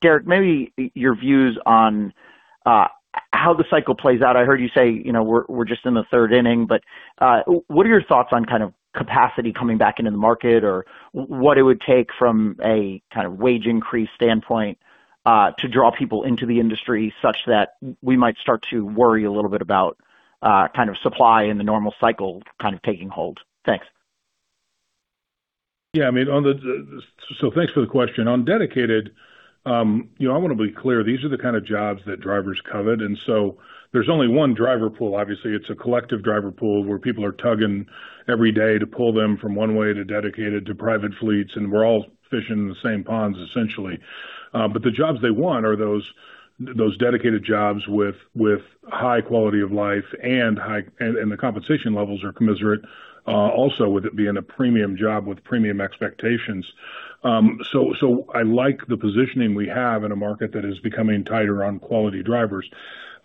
Derek, maybe your views on how the cycle plays out. I heard you say we're just in the third inning, but what are your thoughts on capacity coming back into the market or what it would take from a wage increase standpoint to draw people into the industry such that we might start to worry a little bit about supply in the normal cycle taking hold? Thanks. Yeah. Thanks for the question. On Dedicated, I want to be clear, these are the kind of jobs that drivers covet, there's only one driver pool. Obviously, it's a collective driver pool where people are tugging every day to pull them from One-Way to Dedicated to private fleets, we're all fishing in the same ponds, essentially. The jobs they want are those Dedicated jobs with high quality of life and the compensation levels are commensurate also with it being a premium job with premium expectations. I like the positioning we have in a market that is becoming tighter on quality drivers.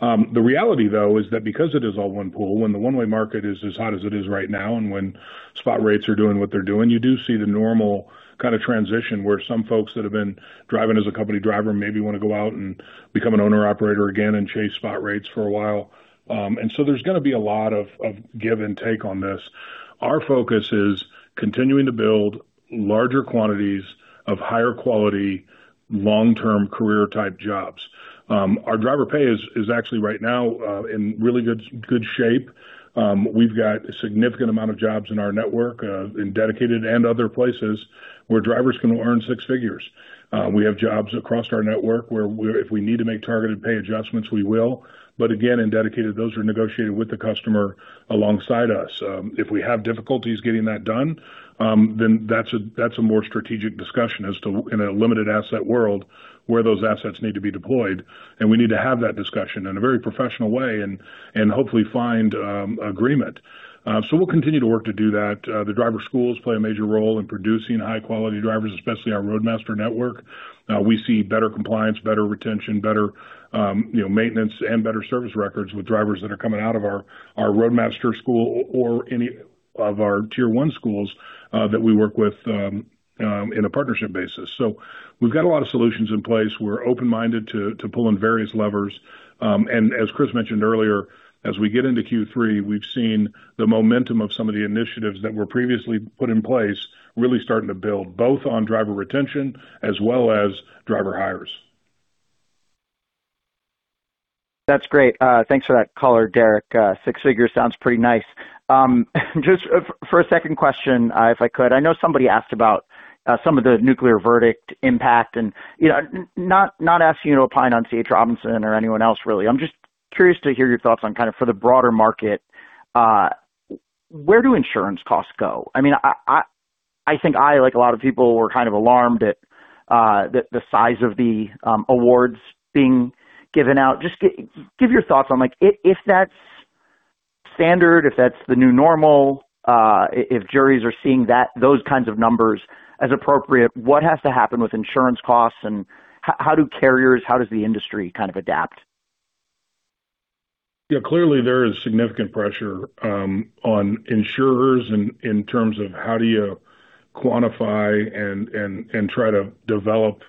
The reality, though, is that because it is all one pool, when the One-Way market is as hot as it is right now and when spot rates are doing what they're doing, you do see the normal kind of transition where some folks that have been driving as a company driver maybe want to go out and become an owner-operator again and chase spot rates for a while. There's going to be a lot of give and take on this. Our focus is continuing to build larger quantities of higher quality, long-term career-type jobs. Our driver pay is actually right now in really good shape. We've got a significant amount of jobs in our network in Dedicated and other places where drivers can earn six figures. We have jobs across our network where if we need to make targeted pay adjustments, we will. Again, in Dedicated, those are negotiated with the customer alongside us. If we have difficulties getting that done, then that's a more strategic discussion as to, in a limited asset world, where those assets need to be deployed. We need to have that discussion in a very professional way and hopefully find agreement. We'll continue to work to do that. The driver schools play a major role in producing high-quality drivers, especially our Roadmaster network. We see better compliance, better retention, better maintenance and better service records with drivers that are coming out of our Roadmaster school or any of our tier-1 schools that we work with in a partnership basis. We've got a lot of solutions in place. We're open-minded to pull on various levers. As Chris mentioned earlier, as we get into Q3, we've seen the momentum of some of the initiatives that were previously put in place really starting to build, both on driver retention as well as driver hires. That's great. Thanks for that color, Derek. Six figures sounds pretty nice. Just for a second question, if I could, I know somebody asked about some of the nuclear verdict impact and not asking you to opine on C.H. Robinson or anyone else, really. I'm just curious to hear your thoughts on, for the broader market, where do insurance costs go? I think I, like a lot of people, were kind of alarmed at the size of the awards being given out. Just give your thoughts on if that's standard, if that's the new normal, if juries are seeing those kinds of numbers as appropriate, what has to happen with insurance costs and how do carriers, how does the industry kind of adapt? Clearly there is significant pressure on insurers in terms of how do you quantify and try to develop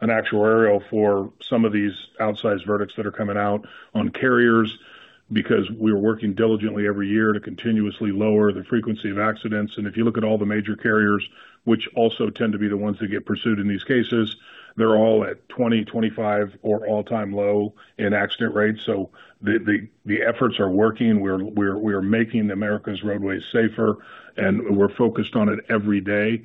an actuarial for some of these outsized verdicts that are coming out on carriers, because we are working diligently every year to continuously lower the frequency of accidents. If you look at all the major carriers, which also tend to be the ones that get pursued in these cases, they're all at 20, 25, or all-time low in accident rates. The efforts are working. We are making America's roadways safer, and we're focused on it every day.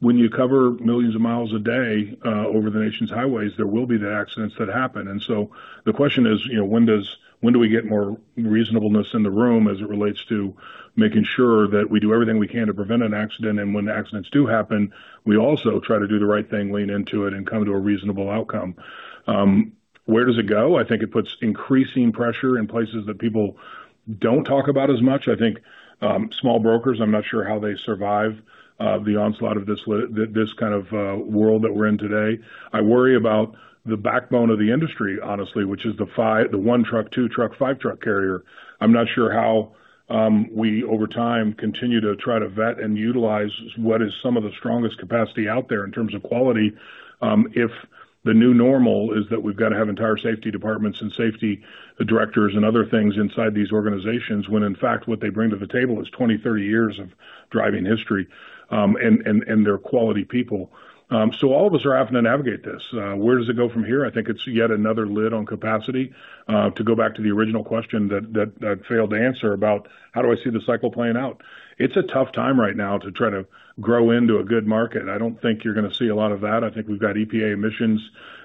When you cover millions of miles a day over the nation's highways, there will be the accidents that happen. The question is, when do we get more reasonableness in the room as it relates to making sure that we do everything we can to prevent an accident? When accidents do happen, we also try to do the right thing, lean into it, and come to a reasonable outcome. Where does it go? I think it puts increasing pressure in places that people don't talk about as much. I think small brokers, I'm not sure how they survive the onslaught of this kind of world that we're in today. I worry about the backbone of the industry, honestly, which is the one truck, two truck, five truck carrier. I'm not sure how we, over time, continue to try to vet and utilize what is some of the strongest capacity out there in terms of quality if the new normal is that we've got to have entire safety departments and safety directors and other things inside these organizations, when in fact, what they bring to the table is 20, 30 years of driving history, and they're quality people. All of us are having to navigate this. Where does it go from here? I think it's yet another lid on capacity. To go back to the original question that I failed to answer about how do I see the cycle playing out. It's a tough time right now to try to grow into a good market. I don't think you're going to see a lot of that. I think we've got EPA emissions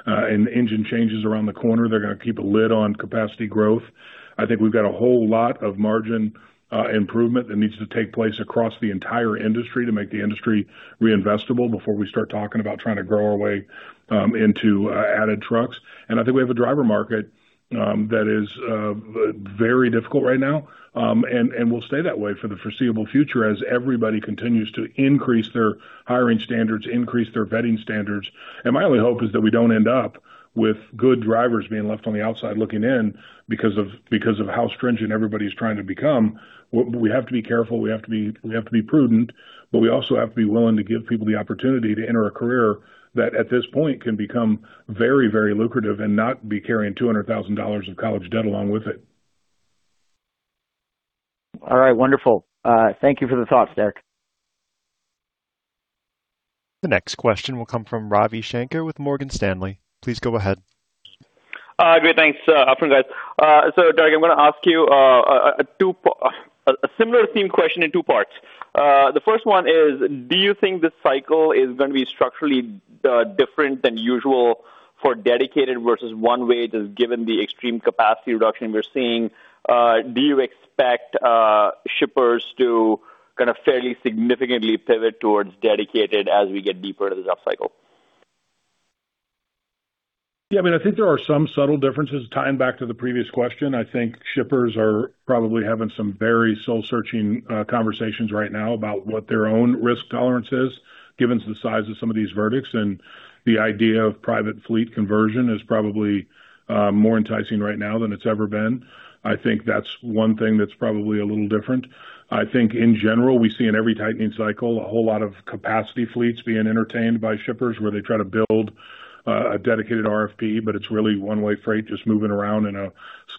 and engine changes around the corner. They're going to keep a lid on capacity growth. I think we've got a whole lot of margin improvement that needs to take place across the entire industry to make the industry reinvestable before we start talking about trying to grow our way into added trucks. I think we have a driver market that is very difficult right now. Will stay that way for the foreseeable future as everybody continues to increase their hiring standards, increase their vetting standards. My only hope is that we don't end up with good drivers being left on the outside looking in because of how stringent everybody's trying to become. We have to be careful, we have to be prudent, but we also have to be willing to give people the opportunity to enter a career that at this point, can become very, very lucrative and not be carrying $200,000 of college debt along with it. All right. Wonderful. Thank you for the thoughts, Derek. The next question will come from Ravi Shanker with Morgan Stanley. Please go ahead. Great, thanks. Afternoon, guys. Derek, I'm going to ask you a similar themed question in two parts. The first one is, do you think this cycle is going to be structurally different than usual for Dedicated versus One-Way, just given the extreme capacity reduction we're seeing? Do you expect shippers to kind of fairly significantly pivot towards Dedicated as we get deeper into the down cycle? Yeah, I think there are some subtle differences. Tying back to the previous question, I think shippers are probably having some very soul-searching conversations right now about what their own risk tolerance is, given the size of some of these verdicts. The idea of private fleet conversion is probably more enticing right now than it's ever been. I think that's one thing that's probably a little different. I think in general, we see in every tightening cycle a whole lot of capacity fleets being entertained by shippers where they try to build a Dedicated RFP, but it's really One-Way freight just moving around in a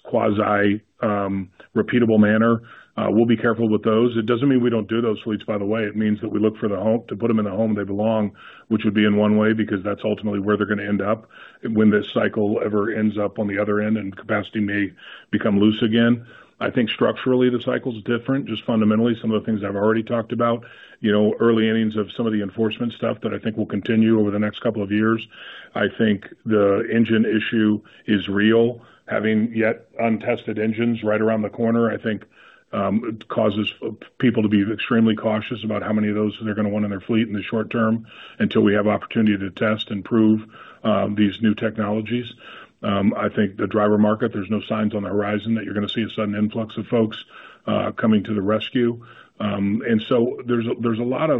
quasi-repeatable manner. We'll be careful with those. It doesn't mean we don't do those fleets, by the way. It means that we look to put them in the home they belong, which would be in Werner, because that's ultimately where they're going to end up when this cycle ever ends up on the other end and capacity may become loose again. I think structurally the cycle is different. Just fundamentally some of the things I've already talked about. Early innings of some of the enforcement stuff that I think will continue over the next couple of years. I think the engine issue is real. Having yet untested engines right around the corner, I think, causes people to be extremely cautious about how many of those they're going to want in their fleet in the short term until we have opportunity to test and prove these new technologies. I think the driver market, there's no signs on the horizon that you're going to see a sudden influx of folks coming to the rescue. There's a lot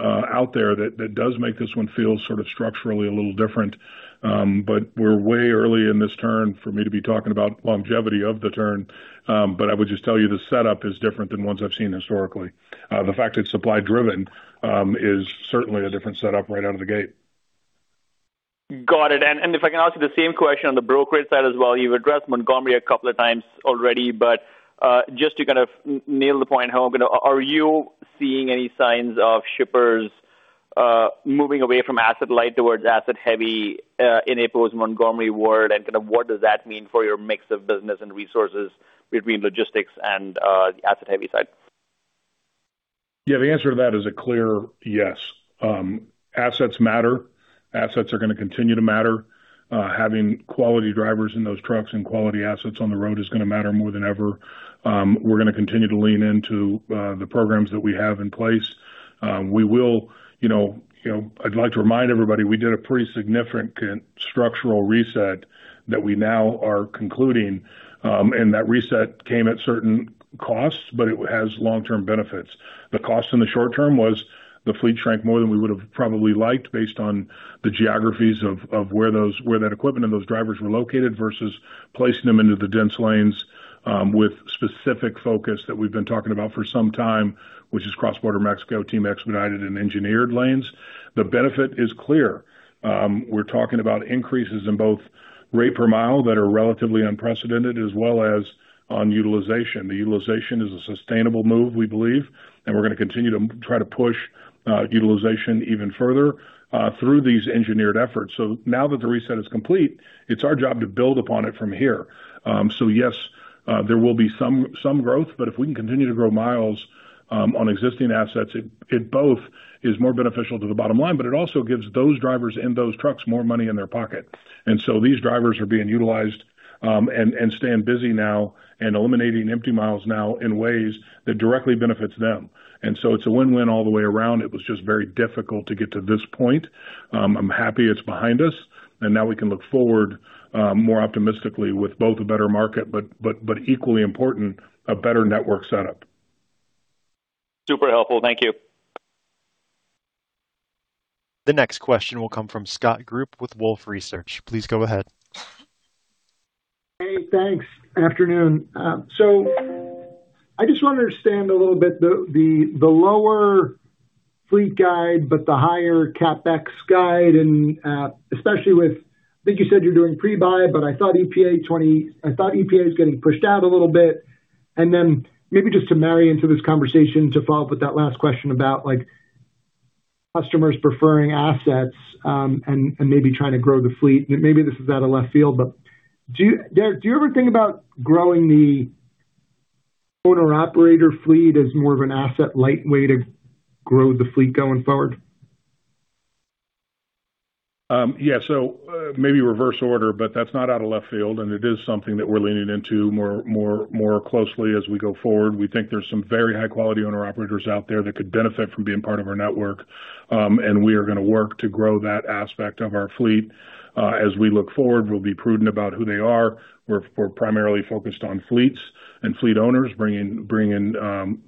out there that does make this one feel sort of structurally a little different. We're way early in this turn for me to be talking about longevity of the turn. I would just tell you the setup is different than ones I've seen historically. The fact it's supply driven is certainly a different setup right out of the gate. Got it. If I can ask you the same question on the brokerage side as well, you've addressed Montgomery a couple of times already, but just to kind of nail the point home, are you seeing any signs of shippers moving away from asset light towards asset heavy in post-Montgomery verdict, and what does that mean for your mix of business and resources between logistics and the asset heavy side? Yeah, the answer to that is a clear yes. Assets matter. Assets are going to continue to matter. Having quality drivers in those trucks and quality assets on the road is going to matter more than ever. We're going to continue to lean into the programs that we have in place. I'd like to remind everybody, we did a pretty significant structural reset that we now are concluding, and that reset came at certain costs, but it has long term benefits. The cost in the short term was the fleet shrank more than we would have probably liked based on the geographies of where that equipment and those drivers were located versus placing them into the dense lanes with specific focus that we've been talking about for some time, which is cross-border Mexico team expedited and engineered lanes. The benefit is clear. We're talking about increases in both rate per mile that are relatively unprecedented as well as on utilization. The utilization is a sustainable move, we believe, and we're going to continue to try to push utilization even further through these engineered efforts. Now that the reset is complete, it's our job to build upon it from here. Yes, there will be some growth, but if we can continue to grow miles on existing assets, it both is more beneficial to the bottom line, but it also gives those drivers in those trucks more money in their pocket. These drivers are being utilized, and staying busy now and eliminating empty miles now in ways that directly benefits them. It's a win-win all the way around. It was just very difficult to get to this point. I'm happy it's behind us, and now we can look forward more optimistically with both a better market, but equally important, a better network setup. Super helpful. Thank you. The next question will come from Scott Group with Wolfe Research. Please go ahead. Hey, thanks. Afternoon. I just want to understand a little bit the lower fleet guide, but the higher CapEx guide, and especially with, I think you said you're doing pre-buy, but I thought EPA is getting pushed out a little bit. Then maybe just to marry into this conversation to follow up with that last question about customers preferring assets, and maybe trying to grow the fleet. Maybe this is out of left field, but do you ever think about growing the owner-operator fleet as more of an asset light way to grow the fleet going forward? Yeah. Maybe reverse order, but that's not out of left field, and it is something that we're leaning into more closely as we go forward. We think there's some very high quality owner-operators out there that could benefit from being part of our network, and we are going to work to grow that aspect of our fleet. As we look forward, we'll be prudent about who they are. We're primarily focused on fleets and fleet owners bringing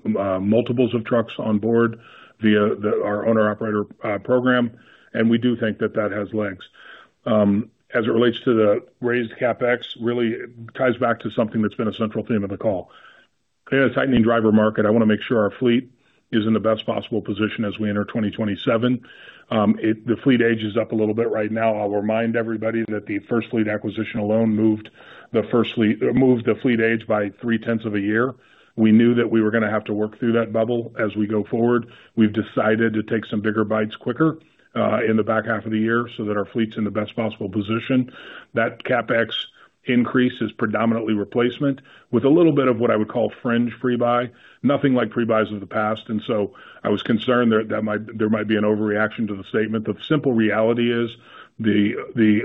multiples of trucks on board via our owner-operator program, and we do think that that has legs. As it relates to the raised CapEx, really ties back to something that's been a central theme of the call. In a tightening driver market, I want to make sure our fleet is in the best possible position as we enter 2027. The fleet age is up a little bit right now. I'll remind everybody that the FirstFleet acquisition alone moved the fleet age by three tenths of a year. We knew that we were going to have to work through that bubble as we go forward. We've decided to take some bigger bites quicker in the back half of the year so that our fleet's in the best possible position. That CapEx increase is predominantly replacement with a little bit of what I would call fringe pre-buy. Nothing like pre-buys of the past. I was concerned there might be an overreaction to the statement. The simple reality is the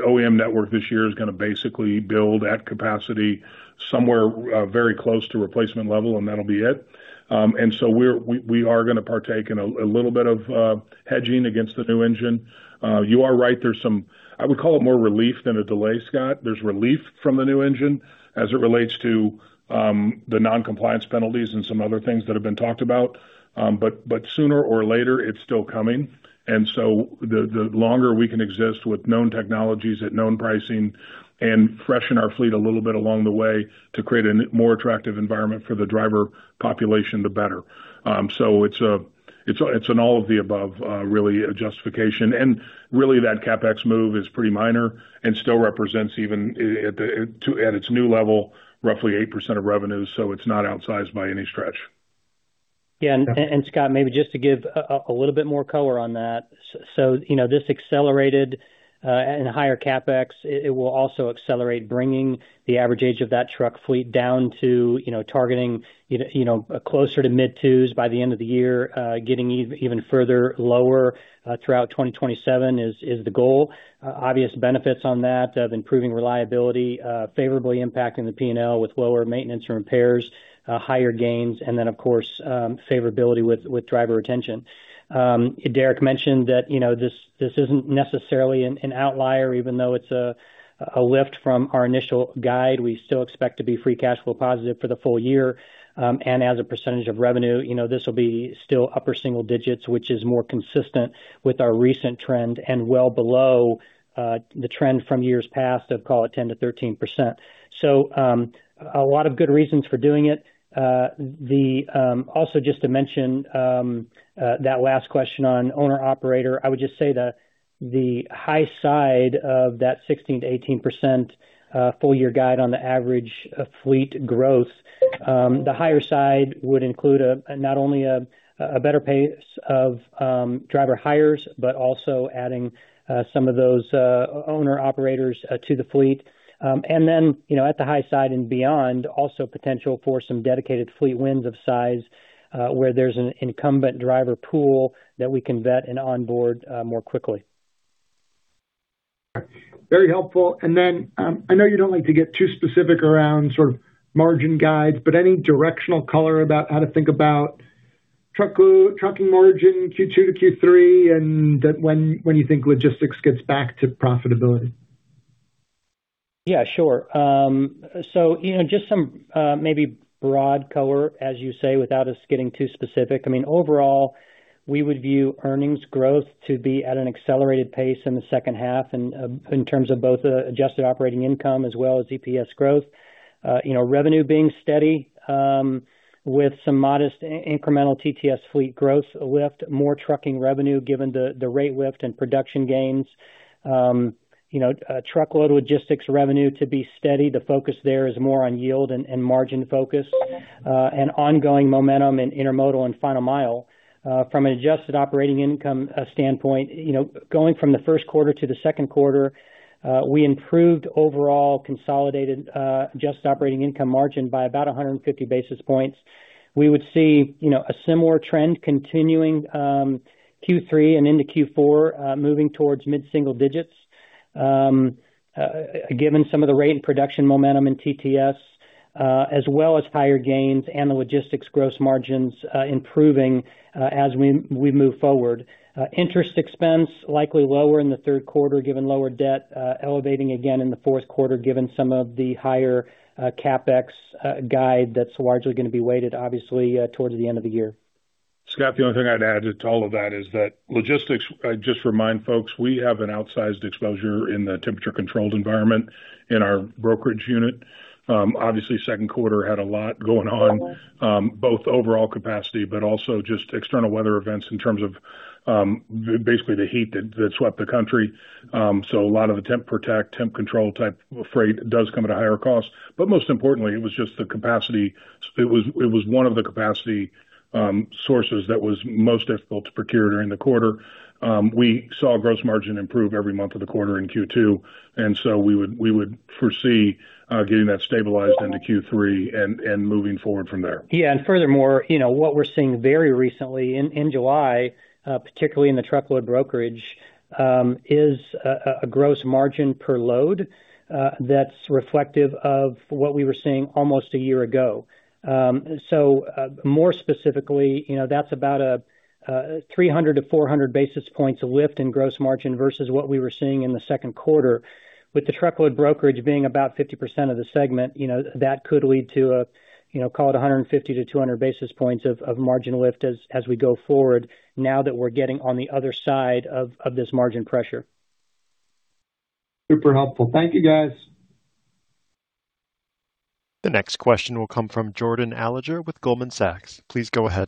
OEM network this year is going to basically build at capacity somewhere very close to replacement level, and that'll be it. We are going to partake in a little bit of hedging against the new engine. You are right, there's some, I would call it more relief than a delay, Scott. There's relief from the new engine as it relates to the non-compliance penalties and some other things that have been talked about. Sooner or later, it's still coming. The longer we can exist with known technologies at known pricing and freshen our fleet a little bit along the way to create a more attractive environment for the driver population, the better. It's an all of the above, really, a justification. Really, that CapEx move is pretty minor and still represents even at its new level, roughly 8% of revenue. It's not outsized by any stretch. Yeah, Scott, maybe just to give a little bit more color on that. This accelerated and higher CapEx, it will also accelerate bringing the average age of that truck fleet down to targeting closer to mid-twos by the end of the year. Getting even further lower throughout 2027 is the goal. Obvious benefits on that of improving reliability, favorably impacting the P&L with lower maintenance or repairs, higher gains, and then, of course, favorability with driver retention. Derek mentioned that this isn't necessarily an outlier, even though it's a lift from our initial guide. We still expect to be free cash flow positive for the full year. As a percentage of revenue, this will be still upper single digits, which is more consistent with our recent trend and well below the trend from years past of, call it, 10%-13%. A lot of good reasons for doing it. Also, just to mention that last question on owner-operator, I would just say the high side of that 16%-18% full year guide on the average fleet growth. The higher side would include not only a better pace of driver hires, but also adding some of those owner-operators to the fleet. Then, at the high side and beyond, also potential for some Dedicated fleet wins of size, where there's an incumbent driver pool that we can vet and onboard more quickly. Very helpful. Then, I know you don't like to get too specific around sort of margin guides, but any directional color about how to think about trucking margin Q2 to Q3, and when you think logistics gets back to profitability? Yeah, sure. Just some, maybe broad color, as you say, without us getting too specific. I mean, overall, we would view earnings growth to be at an accelerated pace in the second half, in terms of both adjusted operating income as well as EPS growth. Revenue being steady with some modest incremental TTS fleet growth lift, more trucking revenue given the rate lift and production gains. Truckload logistics revenue to be steady. The focus there is more on yield and margin focus, and ongoing momentum in intermodal and final mile. From an adjusted operating income standpoint, going from the first quarter to the second quarter, we improved overall consolidated adjusted operating income margin by about 150 basis points. We would see a similar trend continuing Q3 and into Q4, moving towards mid-single digits, given some of the rate and production momentum in TTS, as well as higher gains and the logistics gross margins improving as we move forward. Interest expense likely lower in the third quarter, given lower debt. Elevating again in the fourth quarter, given some of the higher CapEx guide that's largely going to be weighted, obviously, towards the end of the year. Scott, the only thing I'd add to all of that is that logistics, just remind folks, we have an outsized exposure in the temperature controlled environment in our brokerage unit. Obviously, second quarter had a lot going on, both overall capacity, but also just external weather events in terms of basically the heat that swept the country. A lot of the temp protect, temp control type of freight does come at a higher cost. Most importantly, it was one of the capacity sources that was most difficult to procure during the quarter. We saw gross margin improve every month of the quarter in Q2, we would foresee getting that stabilized into Q3 and moving forward from there. Yeah. Furthermore, what we're seeing very recently in July, particularly in the truckload brokerage, is a gross margin per load that's reflective of what we were seeing almost a year ago. More specifically, that's about a 300-400 basis points lift in gross margin versus what we were seeing in the second quarter. With the truckload brokerage being about 50% of the segment, that could lead to a, call it, 150-200 basis points of margin lift as we go forward now that we're getting on the other side of this margin pressure. Super helpful. Thank you, guys. The next question will come from Jordan Alliger with Goldman Sachs. Please go ahead.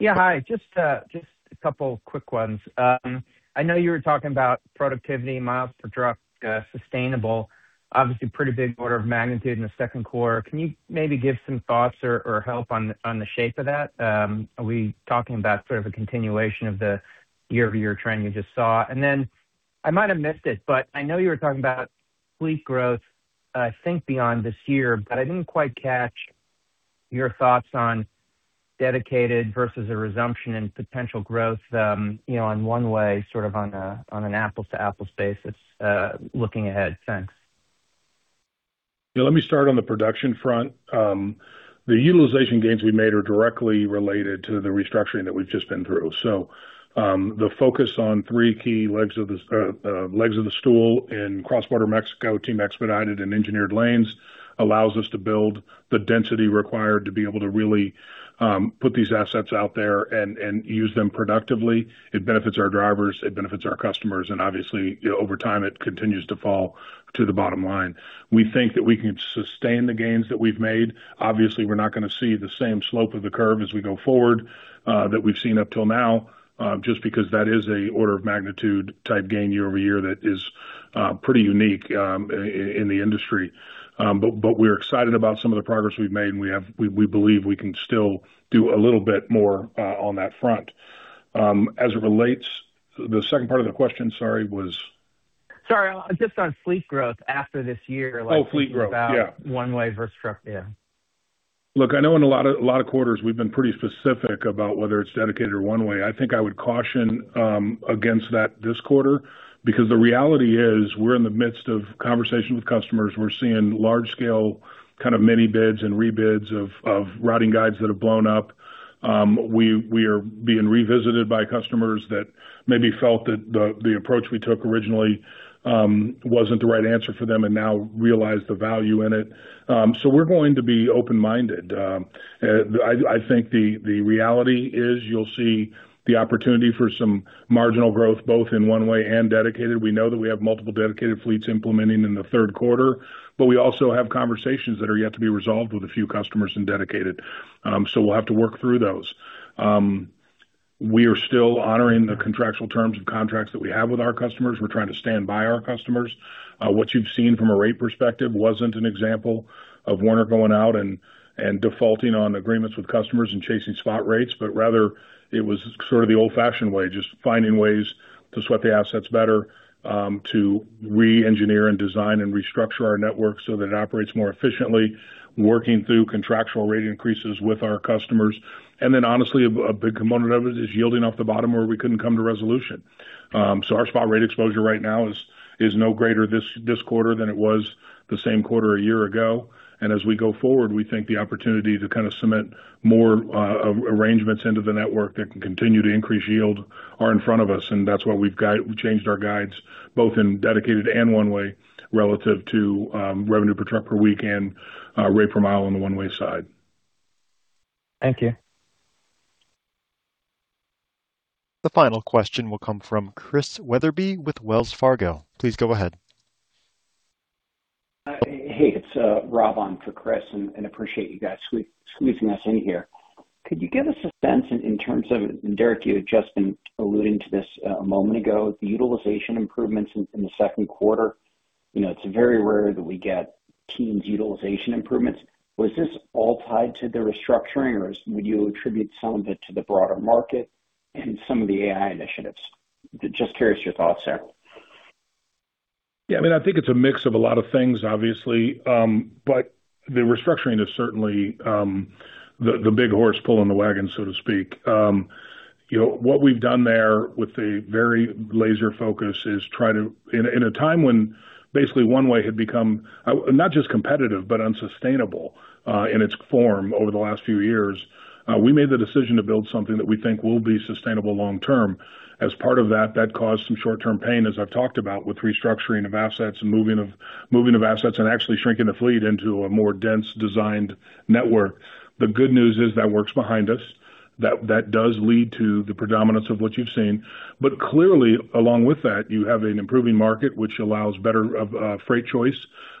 Yeah. Hi, just a couple quick ones. I know you were talking about productivity miles per truck sustainable. Obviously, pretty big order of magnitude in the second quarter. Can you maybe give some thoughts or help on the shape of that? Are we talking about sort of a continuation of the year-over-year trend we just saw? Then, I might have missed it, but I know you were talking about fleet growth, I think, beyond this year. I didn't quite catch your thoughts on Dedicated versus a resumption in potential growth on One-Way, sort of on an apples to apples basis looking ahead. Thanks. Yeah, let me start on the production front. The utilization gains we made are directly related to the restructuring that we've just been through. The focus on three key legs of the stool in cross-border Mexico, team expedited, and engineered lanes allows us to build the density required to be able to really put these assets out there and use them productively. It benefits our drivers, it benefits our customers, and obviously, over time, it continues to fall to the bottom line. We think that we can sustain the gains that we've made. Obviously, we're not going to see the same slope of the curve as we go forward that we've seen up till now, just because that is a order of magnitude type gain year-over-year that is pretty unique in the industry. We're excited about some of the progress we've made, we believe we can still do a little bit more on that front. As it relates, the second part of the question, sorry, was? Sorry. Just on fleet growth after this year, like Fleet growth. Yeah. About One-Way versus truck, yeah. I know in a lot of quarters, we've been pretty specific about whether it's Dedicated or One-Way. I think I would caution against that this quarter because the reality is we're in the midst of conversations with customers. We're seeing large scale, kind of mini bids and rebids of routing guides that have blown up. We are being revisited by customers that maybe felt that the approach we took originally wasn't the right answer for them and now realize the value in it. We're going to be open-minded. I think the reality is you'll see the opportunity for some marginal growth both in One-Way and Dedicated. We know that we have multiple Dedicated fleets implementing in the third quarter, we also have conversations that are yet to be resolved with a few customers in Dedicated. We'll have to work through those. We are still honoring the contractual terms of contracts that we have with our customers. We're trying to stand by our customers. What you've seen from a rate perspective wasn't an example of Werner going out and defaulting on agreements with customers and chasing spot rates. Rather, it was sort of the old-fashioned way, just finding ways to sweat the assets better, to re-engineer and design and restructure our network so that it operates more efficiently, working through contractual rate increases with our customers. Honestly, a big component of it is yielding off the bottom where we couldn't come to resolution. Our spot rate exposure right now is no greater this quarter than it was the same quarter a year ago. As we go forward, we think the opportunity to kind of cement more arrangements into the network that can continue to increase yield are in front of us, and that's why we've changed our guides both in Dedicated and One-Way relative to revenue per truck per week and rate per mile on the One-Way side. Thank you. The final question will come from Chris Wetherbee with Wells Fargo. Please go ahead. Hey, it's Rob Hon for Chris, appreciate you guys squeezing us in here. Could you give us a sense in terms of, Derek, you had just been alluding to this a moment ago, the utilization improvements in the second quarter. It's very rare that we get teams utilization improvements. Was this all tied to the restructuring, or would you attribute some of it to the broader market and some of the AI initiatives? Just curious your thoughts there. I think it's a mix of a lot of things, obviously. The restructuring is certainly the big horse pulling the wagon, so to speak. What we've done there with a very laser focus is try to, in a time when basically One-Way had become, not just competitive but unsustainable, in its form over the last few years. We made the decision to build something that we think will be sustainable long term. As part of that caused some short-term pain, as I've talked about, with restructuring of assets and moving of assets and actually shrinking the fleet into a more dense designed network. The good news is that works behind us. That does lead to the predominance of what you've seen. Clearly, along with that, you have an improving market, which allows better freight choice.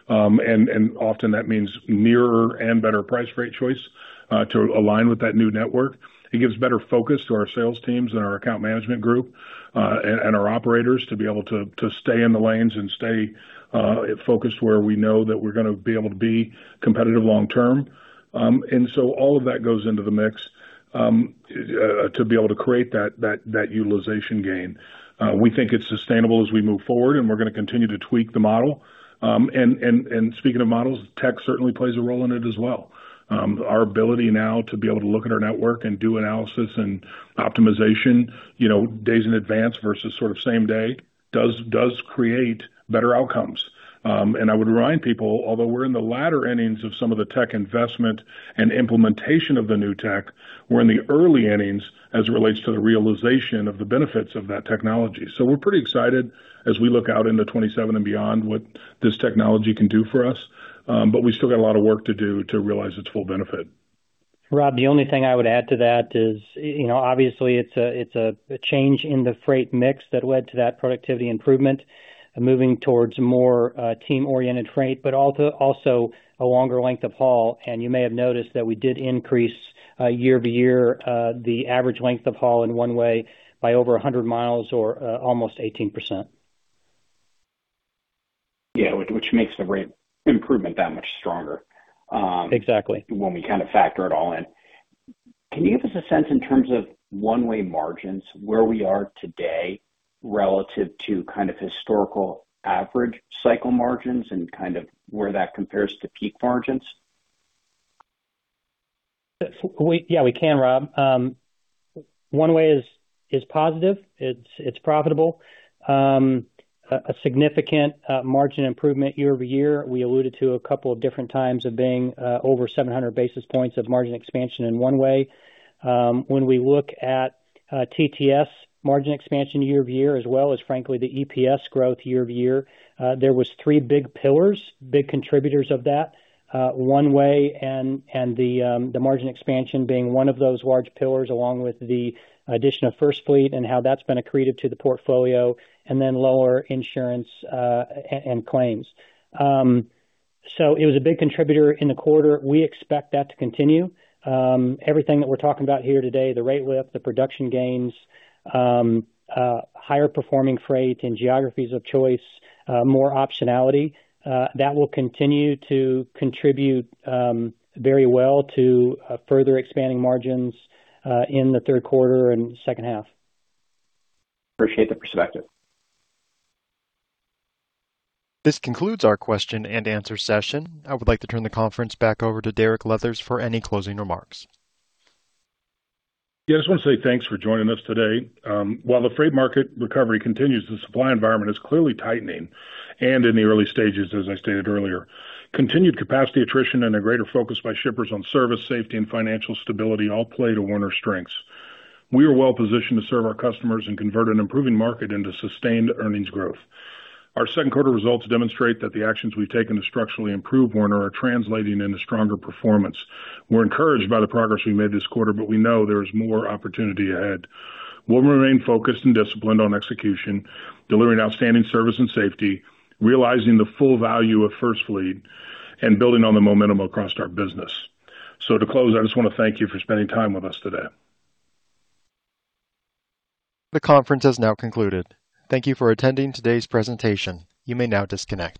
Often that means nearer and better price freight choice, to align with that new network. It gives better focus to our sales teams and our account management group, and our operators to be able to stay in the lanes and stay focused where we know that we're going to be able to be competitive long term. All of that goes into the mix, to be able to create that utilization gain. We think it's sustainable as we move forward, and we're going to continue to tweak the model. Speaking of models, tech certainly plays a role in it as well. Our ability now to be able to look at our network and do analysis and optimization days in advance versus sort of same day does create better outcomes. I would remind people, although we're in the latter innings of some of the tech investment and implementation of the new tech, we're in the early innings as it relates to the realization of the benefits of that technology. We're pretty excited as we look out into 2027 and beyond what this technology can do for us. We still got a lot of work to do to realize its full benefit. Rob, the only thing I would add to that is, obviously it's a change in the freight mix that led to that productivity improvement, moving towards more team-oriented freight, but also a longer length of haul. You may have noticed that we did increase, year-over-year, the average length of haul in One-Way by over 100 miles or almost 18%. Yeah. Which makes the rate improvement that much stronger- Exactly when we kind of factor it all in. Can you give us a sense in terms of One-Way margins, where we are today relative to kind of historical average cycle margins and kind of where that compares to peak margins? Yeah, we can, Rob. One-Way is positive. It's profitable. A significant margin improvement year-over-year. We alluded to a couple of different times of being over 700 basis points of margin expansion in One-way. When we look at TTS margin expansion year-over-year as well as frankly the EPS growth year-over-year, there was three big pillars, big contributors of that. One-Way and the margin expansion being one of those large pillars along with the addition of FirstFleet and how that's been accretive to the portfolio, and then lower insurance and claims. It was a big contributor in the quarter. We expect that to continue. Everything that we're talking about here today, the rate lift, the production gains, higher performing freight in geographies of choice, more optionality, that will continue to contribute very well to further expanding margins, in the third quarter and second half. Appreciate the perspective. This concludes our question and answer session. I would like to turn the conference back over to Derek Leathers for any closing remarks. Yeah, I just want to say thanks for joining us today. While the freight market recovery continues, the supply environment is clearly tightening, and in the early stages, as I stated earlier. Continued capacity attrition and a greater focus by shippers on service, safety, and financial stability all play to Werner strengths. We are well positioned to serve our customers and convert an improving market into sustained earnings growth. Our second quarter results demonstrate that the actions we've taken to structurally improve Werner are translating into stronger performance. We're encouraged by the progress we made this quarter, but we know there is more opportunity ahead. We'll remain focused and disciplined on execution, delivering outstanding service and safety, realizing the full value of FirstFleet, and building on the momentum across our business. To close, I just want to thank you for spending time with us today. The conference has now concluded. Thank you for attending today's presentation. You may now disconnect.